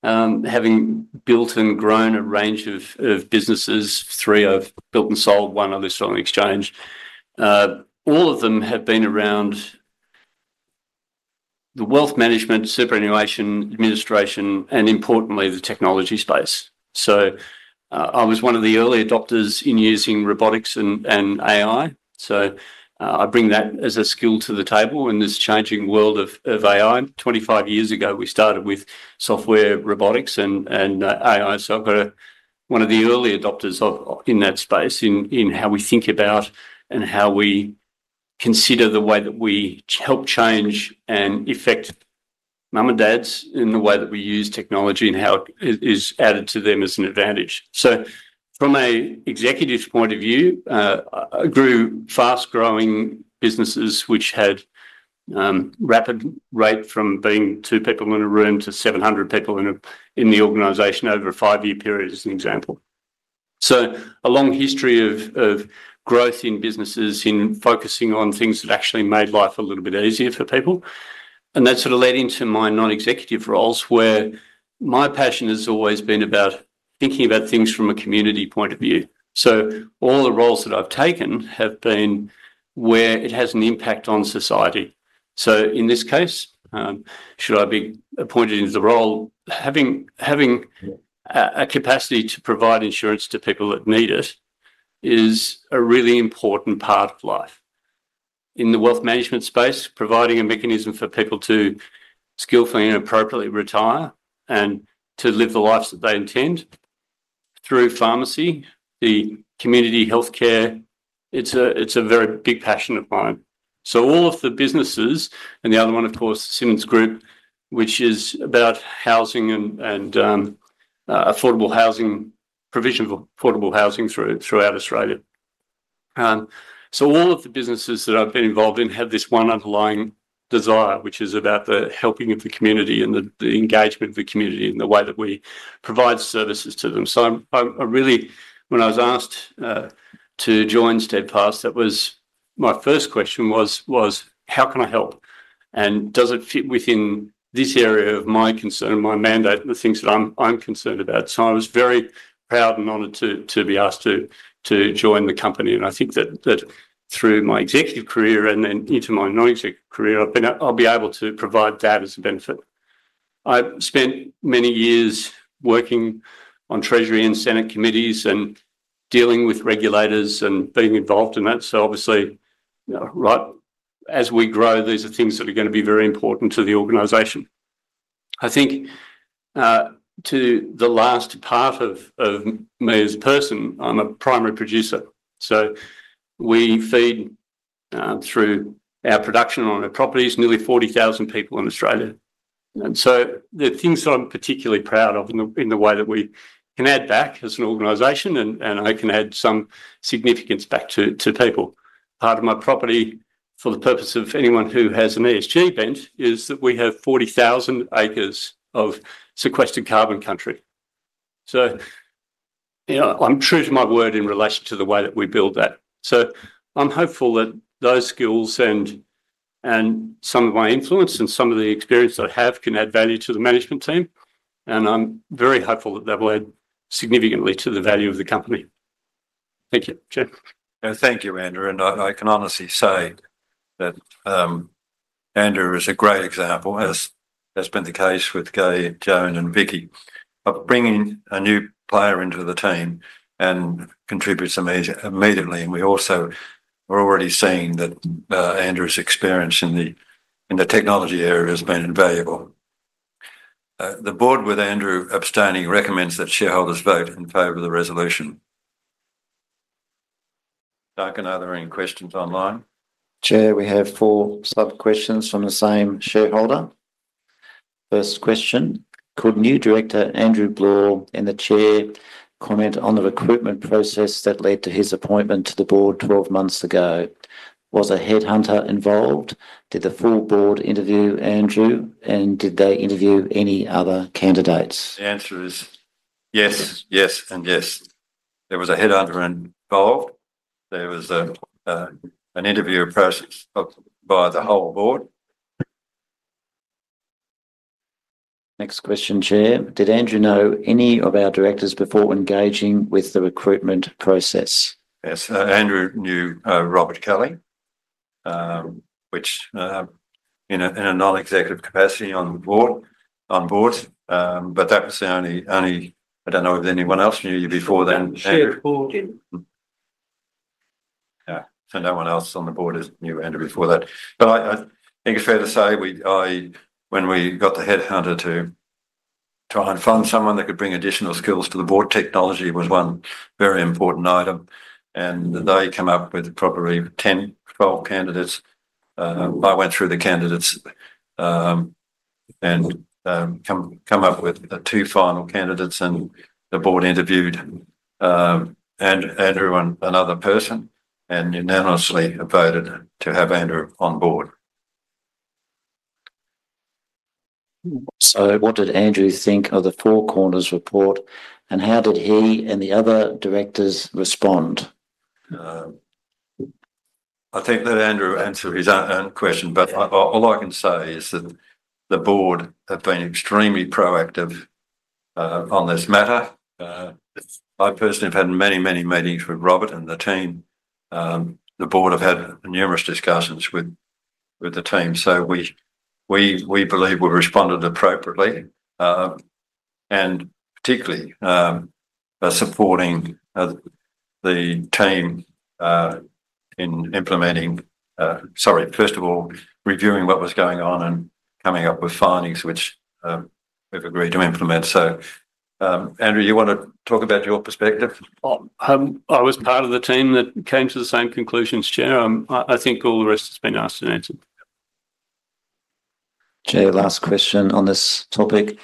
having built and grown a range of businesses. Three I've built and sold, one I listed on the exchange. All of them have been around the wealth management, superannuation, administration, and importantly, the technology space. So I was one of the early adopters in using robotics and AI. So I bring that as a skill to the table in this changing world of AI. 25 years ago, we started with software robotics and AI. So I've got one of the early adopters in that space in how we think about and how we consider the way that we help change and affect mum and dads in the way that we use technology and how it is added to them as an advantage. So from an executive point of view, I grew fast-growing businesses which had rapid rate from being two people in a room to 700 people in the organization over a five-year period as an example. So a long history of growth in businesses in focusing on things that actually made life a little bit easier for people. And that sort of led into my non-executive roles where my passion has always been about thinking about things from a community point of view. So all the roles that I've taken have been where it has an impact on society. So in this case, should I be appointed into the role? Having a capacity to provide insurance to people that need it is a really important part of life. In the wealth management space, providing a mechanism for people to skillfully and appropriately retire and to live the lives that they intend through pharmacy, the community healthcare, it's a very big passion of mine. So all of the businesses and the other one, of course, Simonds Group, which is about housing and affordable housing, provision of affordable housing throughout Australia. So all of the businesses that I've been involved in have this one underlying desire, which is about the helping of the community and the engagement of the community in the way that we provide services to them. So when I was asked to join Steadfast, my first question was, how can I help? And does it fit within this area of my concern, my mandate, and the things that I'm concerned about? So I was very proud and honored to be asked to join the company. And I think that through my executive career and then into my non-executive career, I'll be able to provide that as a benefit. I've spent many years working on Treasury and Senate committees and dealing with regulators and being involved in that. So obviously, as we grow, these are things that are going to be very important to the organization. I think to the last part of me as a person, I'm a primary producer. So we feed through our production on our properties nearly 40,000 people in Australia. And so the things that I'm particularly proud of in the way that we can add back as an organization and I can add some significance back to people. Part of my property for the purpose of anyone who has an ESG bent is that we have 40,000 acres of sequestered carbon country. So I'm true to my word in relation to the way that we build that. So I'm hopeful that those skills and some of my influence and some of the experience that I have can add value to the management team. And I'm very hopeful that that will add significantly to the value of the company. Thank you, Chair. Thank you, Andrew. And I can honestly say that Andrew is a great example, as has been the case with Gai and Joan and Vicki, of bringing a new player into the team and contributes immediately. And we also are already seeing that Andrew's experience in the technology area has been invaluable. The board with Andrew abstaining recommends that shareholders vote in favor of the resolution. Duncan, are there any questions online? Chair, we have four sub-questions from the same shareholder. First question. Could new director Andrew Bloore and the Chair comment on the recruitment process that led to his appointment to the board 12 months ago? Was a headhunter involved? Did the full board interview Andrew? And did they interview any other candidates? The answer is yes, yes, and yes. There was a headhunter involved. There was an interview process by the whole board. Next question, Chair. Did Andrew know any of our directors before engaging with the recruitment process? Yes. Andrew knew Robert Kelly, which in a non-executive capacity on board. But that was the only. I don't know if anyone else knew you before then. Yeah. So no one else on the board knew Andrew before that. But I think it's fair to say when we got the headhunter to try and find someone that could bring additional skills to the board, technology was one very important item. And they come up with probably 10, 12 candidates. I went through the candidates and come up with two final candidates. And the board interviewed Andrew and another person and unanimously voted to have Andrew on board. So what did Andrew think of the Four Corners report? And how did he and the other directors respond? I think that Andrew answered his own question. But all I can say is that the board have been extremely proactive on this matter. I personally have had many, many meetings with Robert and the team. The board have had numerous discussions with the team. So we believe we responded appropriately and particularly supporting the team in implementing sorry, first of all, reviewing what was going on and coming up with findings which we've agreed to implement. So Andrew, you want to talk about your perspective? I was part of the team that came to the same conclusions, Chair. I think all the rest has been asked and answered. Chair, last question on this topic.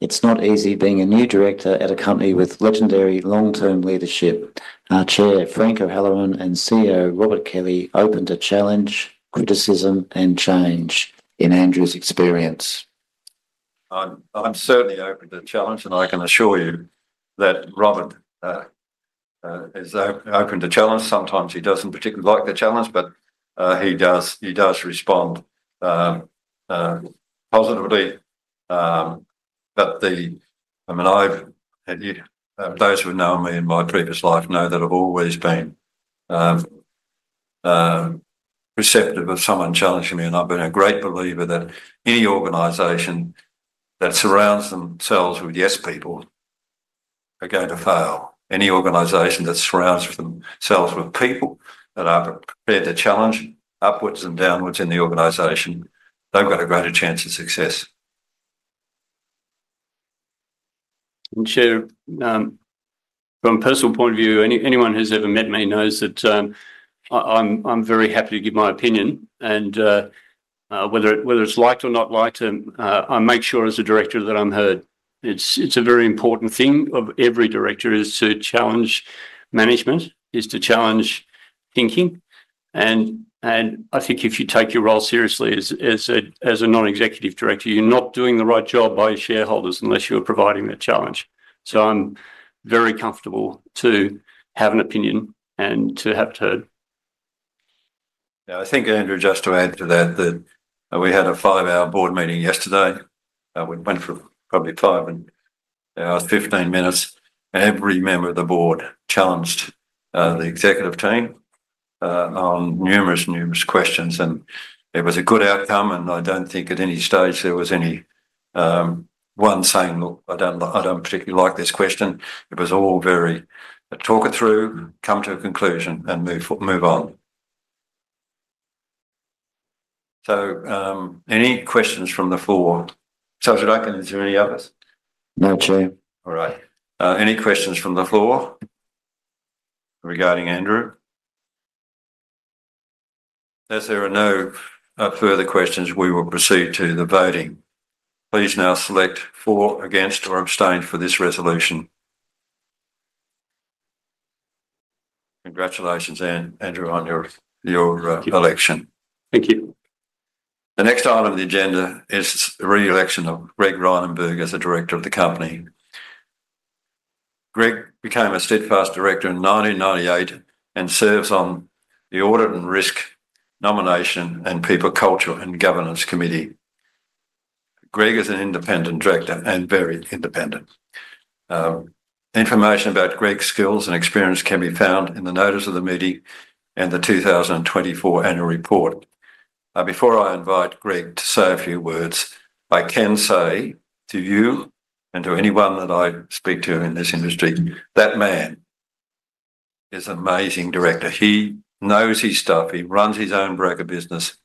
It's not easy being a new director at a company with legendary long-term leadership. Chair Frank O'Halloran and CEO Robert Kelly opened a challenge, criticism, and change in Andrew's experience. I'm certainly open to the challenge. I can assure you that Robert is open to challenge. Sometimes he doesn't particularly like the challenge, but he does respond positively. But I mean, those who have known me in my previous life know that I've always been receptive of someone challenging me. And I've been a great believer that any organization that surrounds themselves with yes people are going to fail. Any organization that surrounds themselves with people that are prepared to challenge upwards and downwards in the organization, they've got a greater chance of success. And Chair, from a personal point of view, anyone who's ever met me knows that I'm very happy to give my opinion. And whether it's liked or not liked, I make sure as a director that I'm heard. It's a very important thing of every director is to challenge management, is to challenge thinking. And I think if you take your role seriously as a non-executive director, you're not doing the right job by your shareholders unless you're providing that challenge. I'm very comfortable to have an opinion and to have it heard. Yeah, I think Andrew, just to add to that, that we had a five-hour board meeting yesterday. We went for probably five and 15 minutes. Every member of the board challenged the executive team on numerous, numerous questions. And it was a good outcome. And I don't think at any stage there was any one saying, "Look, I don't particularly like this question." It was all very talk it through, come to a conclusion, and move on. So any questions from the floor? So is there any others? No, Chair. All right. Any questions from the floor regarding Andrew? As there are no further questions, we will proceed to the voting. Please now select for, against, or abstain for this resolution. Congratulations, Andrew, on your election. Thank you. The next item of the agenda is the re-election of Greg Rynenberg as the director of the company. Greg became a Steadfast director in 1998 and serves on the Audit and Risk Nomination and People Culture and Governance Committee. Greg is an independent director and very independent. Information about Greg's skills and experience can be found in the notice of the meeting and the 2024 annual report. Before I invite Greg to say a few words, I can say to you and to anyone that I speak to in this industry, that man is an amazing director. He knows his stuff. He runs his own broker business.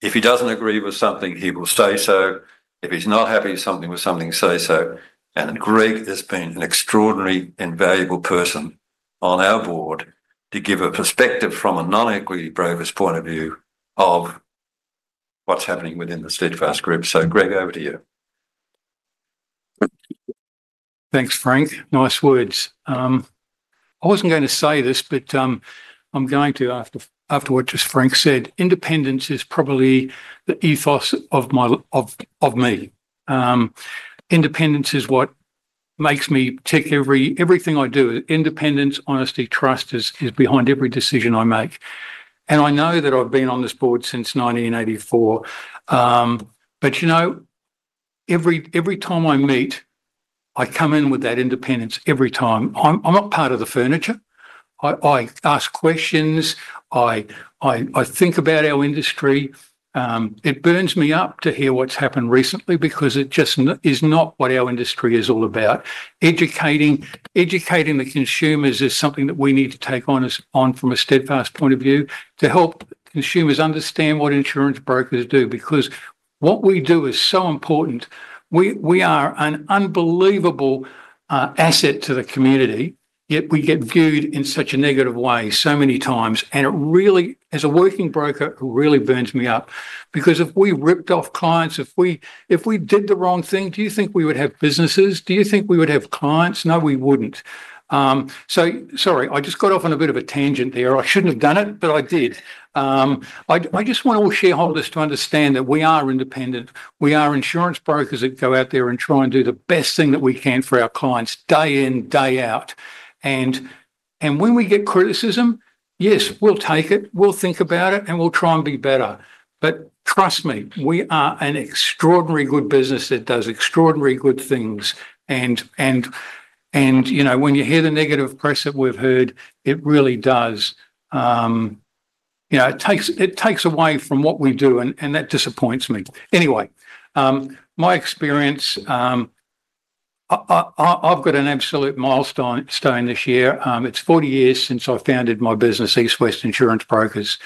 If he doesn't agree with something, he will say so. If he's not happy with something, he will say so. And Greg has been an extraordinary and valuable person on our board to give a perspective from a non-executive broker's point of view of what's happening within the Steadfast Group. So Greg, over to you. Thanks, Frank. Nice words. I wasn't going to say this, but I'm going to, after what just Frank said, independence is probably the ethos of me. Independence is what makes me tick everything I do. Independence, honesty, trust is behind every decision I make. And I know that I've been on this board since 1984. But every time I meet, I come in with that independence every time. I'm not part of the furniture. I ask questions. I think about our industry. It burns me up to hear what's happened recently because it just is not what our industry is all about. Educating the consumers is something that we need to take on from a Steadfast point of view to help consumers understand what insurance brokers do. Because what we do is so important. We are an unbelievable asset to the community, yet we get viewed in such a negative way so many times. And as a working broker, it really burns me up. Because if we ripped off clients, if we did the wrong thing, do you think we would have businesses? Do you think we would have clients? No, we wouldn't. So sorry, I just got off on a bit of a tangent there. I shouldn't have done it, but I did. I just want all shareholders to understand that we are independent. We are insurance brokers that go out there and try and do the best thing that we can for our clients day in, day out. And when we get criticism, yes, we'll take it, we'll think about it, and we'll try and be better. But trust me, we are an extraordinarily good business that does extraordinarily good things. And when you hear the negative press that we've heard, it really does. It takes away from what we do, and that disappoints me. Anyway, my experience, I've got an absolute milestone this year. It's 40 years since I founded my business, East West Insurance Brokers.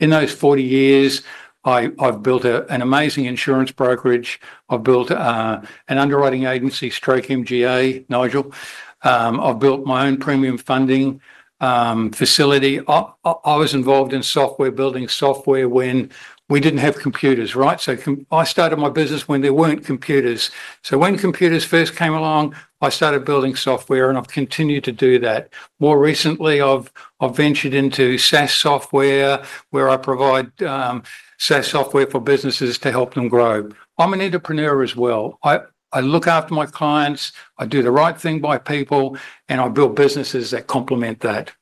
In those 40 years, I've built an amazing insurance brokerage. I've built an underwriting agency/MGA, Nigel. I've built my own premium funding facility. I was involved in software building software when we didn't have computers, right? So I started my business when there weren't computers. So when computers first came along, I started building software, and I've continued to do that. More recently, I've ventured into SaaS software where I provide SaaS software for businesses to help them grow. I'm an entrepreneur as well. I look after my clients. I do the right thing by people, and I build businesses that complement that.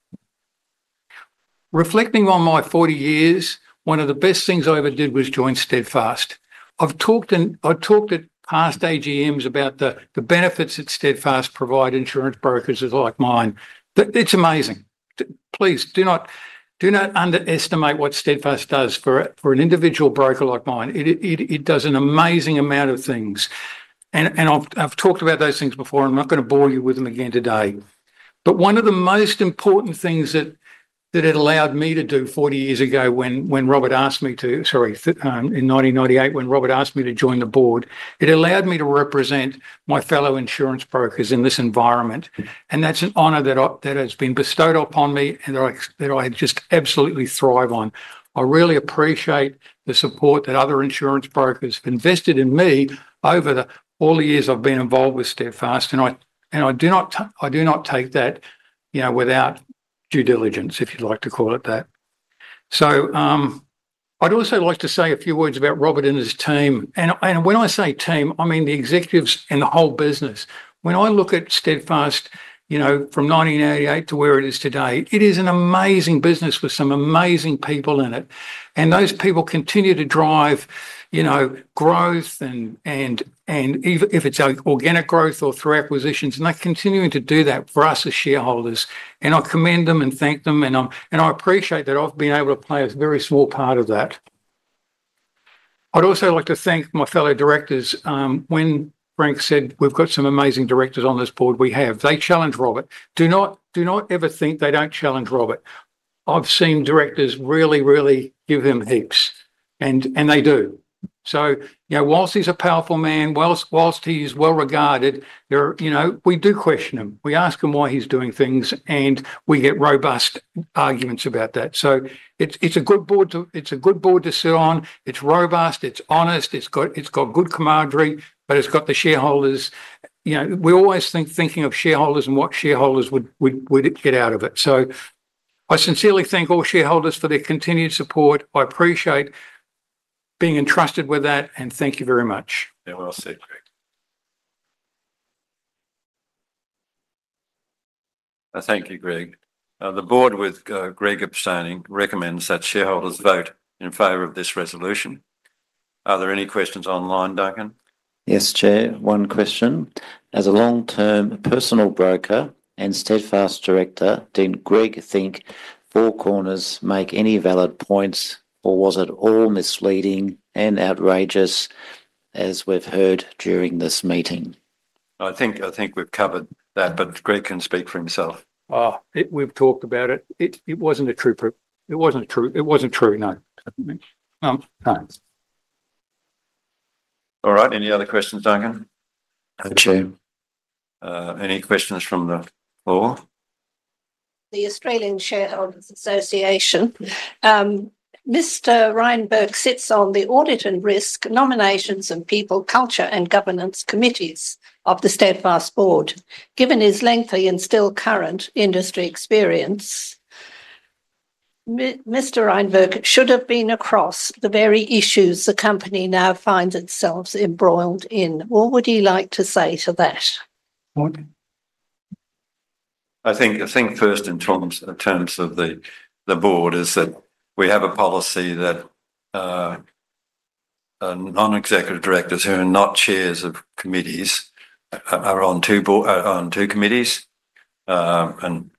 Reflecting on my 40 years, one of the best things I ever did was join Steadfast. I've talked at past AGMs about the benefits that Steadfast provides insurance brokers like mine. It's amazing. Please do not underestimate what Steadfast does for an individual broker like mine. It does an amazing amount of things, and I've talked about those things before, and I'm not going to bore you with them again today. But one of the most important things that it allowed me to do 40 years ago when Robert asked me to, sorry, in 1998, when Robert asked me to join the board, it allowed me to represent my fellow insurance brokers in this environment. And that's an honor that has been bestowed upon me and that I just absolutely thrive on. I really appreciate the support that other insurance brokers have invested in me over all the years I've been involved with Steadfast. And I do not take that without due diligence, if you'd like to call it that. So I'd also like to say a few words about Robert and his team. And when I say team, I mean the executives and the whole business. When I look at Steadfast from 1988 to where it is today, it is an amazing business with some amazing people in it. And those people continue to drive growth, and if it's organic growth or through acquisitions, and they're continuing to do that for us as shareholders. And I commend them and thank them. And I appreciate that I've been able to play a very small part of that. I'd also like to thank my fellow directors. When Frank said, "We've got some amazing directors on this board," we have. They challenge Robert. Do not ever think they don't challenge Robert. I've seen directors really, really give them heaps. And they do. So while he's a powerful man, while he's well regarded, we do question him. We ask him why he's doing things. And we get robust arguments about that. So it's a good board to sit on. It's robust. It's honest. It's got good camaraderie. But it's got the shareholders. We always think of shareholders and what shareholders would get out of it. So I sincerely thank all shareholders for their continued support. I appreciate being entrusted with that. And thank you very much. Yeah, well, I'll see you, Thank you, Greg. The board with Greg abstaining recommends that shareholders vote in favor of this resolution. Are there any questions online, Duncan? Yes, Chair. One question. As a long-term personal broker and Steadfast director, did Greg think Four Corners made any valid points, or was it all misleading and outrageous as we've heard during this meeting? I think we've covered that, but Greg can speak for himself. We've talked about it. It wasn't a true proof. It wasn't true. It wasn't true, no. All right. Any other questions, Duncan? No, Chair. Any questions from the floor? The Australian Shareholders Association. Mr. Rynenberg sits on the Audit and Risk, Nominations, and People, Culture and Governance Committees of the Steadfast Board. Given his lengthy and still current industry experience, Mr. Rynenberg should have been across the very issues the company now finds itself embroiled in. What would he like to say to that? I think first in terms of the board is that we have a policy that non-executive directors who are not chairs of committees are on two committees. Greg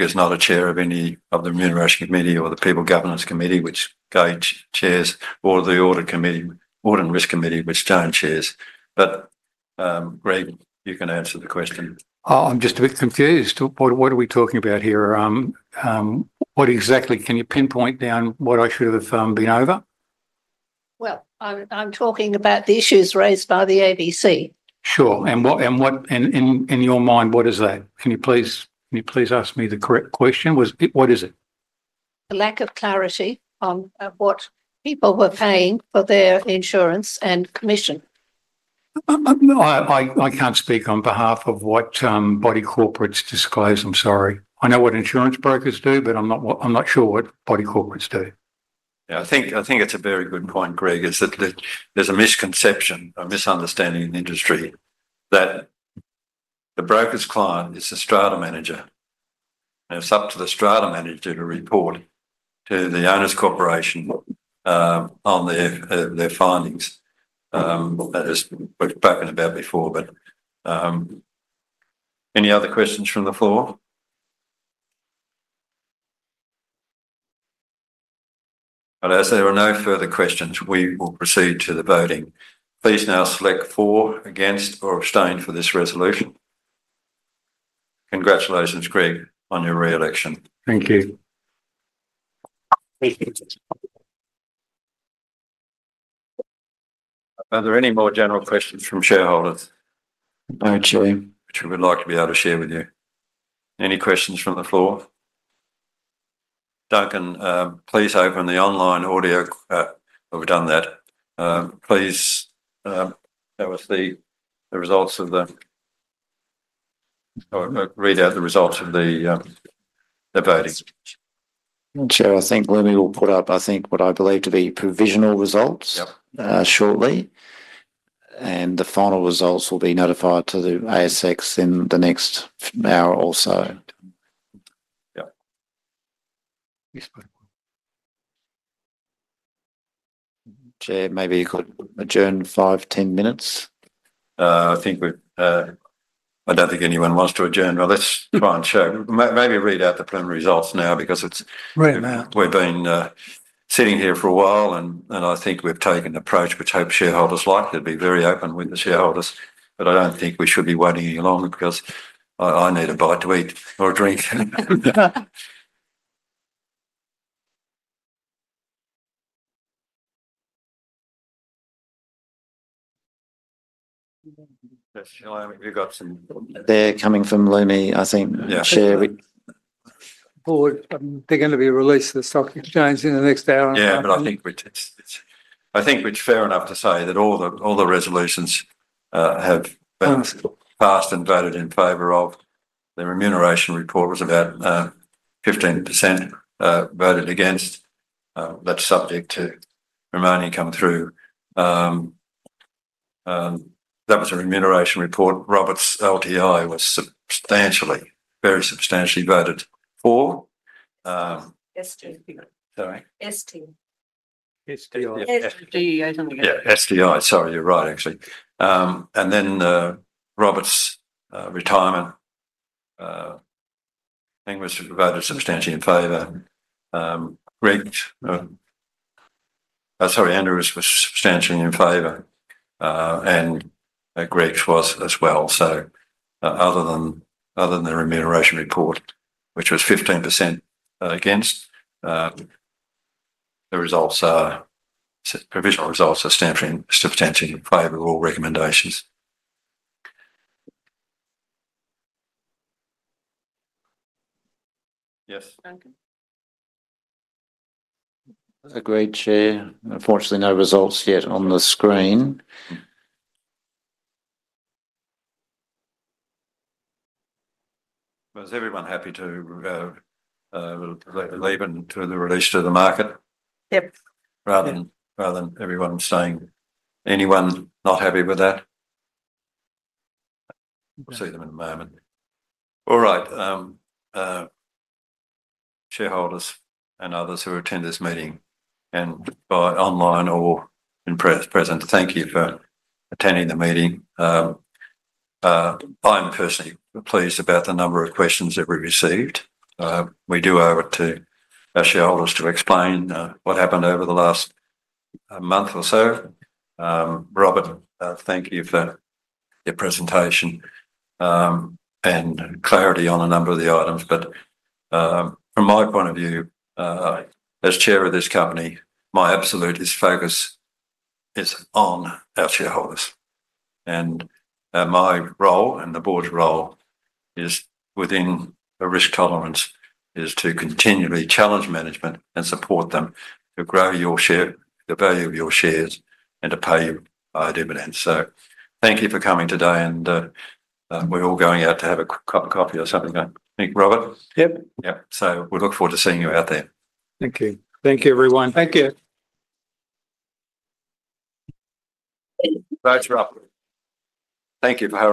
is not a chair of any of the Remuneration Committee or the People Governance Committee, which Gai chairs, or the Audit and Risk Committee, which Joan chairs. But Greg, you can answer the question. I'm just a bit confused. What are we talking about here? What exactly can you pinpoint down what I should have been over? Well, I'm talking about the issues raised by the ABC. Sure. And in your mind, what is that? Can you please ask me the correct question? What is it? The lack of clarity on what people were paying for their insurance and commission. I can't speak on behalf of what body corporates disclose. I'm sorry. I know what insurance brokers do, but I'm not sure what body corporates do. Yeah, I think it's a very good point, Greg, is that there's a misconception or misunderstanding in the industry that the broker's client is the strata manager. And it's up to the strata manager to report to the owners' corporation on their findings. That was spoken about before. But any other questions from the floor? But as there are no further questions, we will proceed to the voting. Please now select for, against, or abstain for this resolution. Congratulations, Greg, on your re-election. Thank you. Are there any more general questions from shareholders? No, Chair. Which we would like to be able to share with you. Any questions from the floor? Duncan, please open the online audio. We've done that. Please tell us the results of the voting. Chair, I think we will put up, I think, what I believe to be provisional results shortly. And the final results will be notified to the ASX in the next hour or so. Yes. Chair, maybe you could adjourn five, ten minutes. I don't think anyone wants to adjourn. Well, let's try and share. Maybe read out the preliminary results now because we've been sitting here for a while, and I think we've taken an approach which hopes shareholders like to be very open with the shareholders. But I don't think we should be waiting any longer because I need a bite to eat or a drink. Yes, you've got some. They're coming from Lumi, I think. Share with-- Board, they're going to be released to the stock exchange in the next hour and a half. Yeah, but I think we're fair enough to say that all the resolutions have been passed and voted in favor of. The Remuneration Report was about 15% voted against. That's subject to remaining come through. That was a Remuneration Report. Robert's LTI was substantially, very substantially voted for. Yeah, STI. Sorry, you're right, actually. And then Robert's retirement thing was voted substantially in favor. Greg's sorry, Andrew was substantially in favor. And Greg's was as well. So other than the Remuneration Report, which was 15% against, the provisional results are substantially in favor of all recommendations. Yes. Agreed, Chair. Unfortunately, no results yet on the screen. Was everyone happy to leave it until the release to the market? Yep. Rather than everyone saying anyone not happy with that? We'll see them in a moment. All right. Shareholders and others who attend this meeting, and by online or in person, thank you for attending the meeting. I'm personally pleased about the number of questions that we received. We do owe it to our shareholders to explain what happened over the last month or so. Robert, thank you for your presentation and clarity on a number of the items. But from my point of view, as chair of this company, my absolute focus is on our shareholders. And my role and the board's role within a risk tolerance is to continually challenge management and support them to grow the value of your shares and to pay you dividends. Thank you for coming today. We're all going out to have a cup of coffee or something. I think, Robert? Yep. Yep. We look forward to seeing you out there. Thank you. Thank you, everyone. Thank you. Thanks Robert.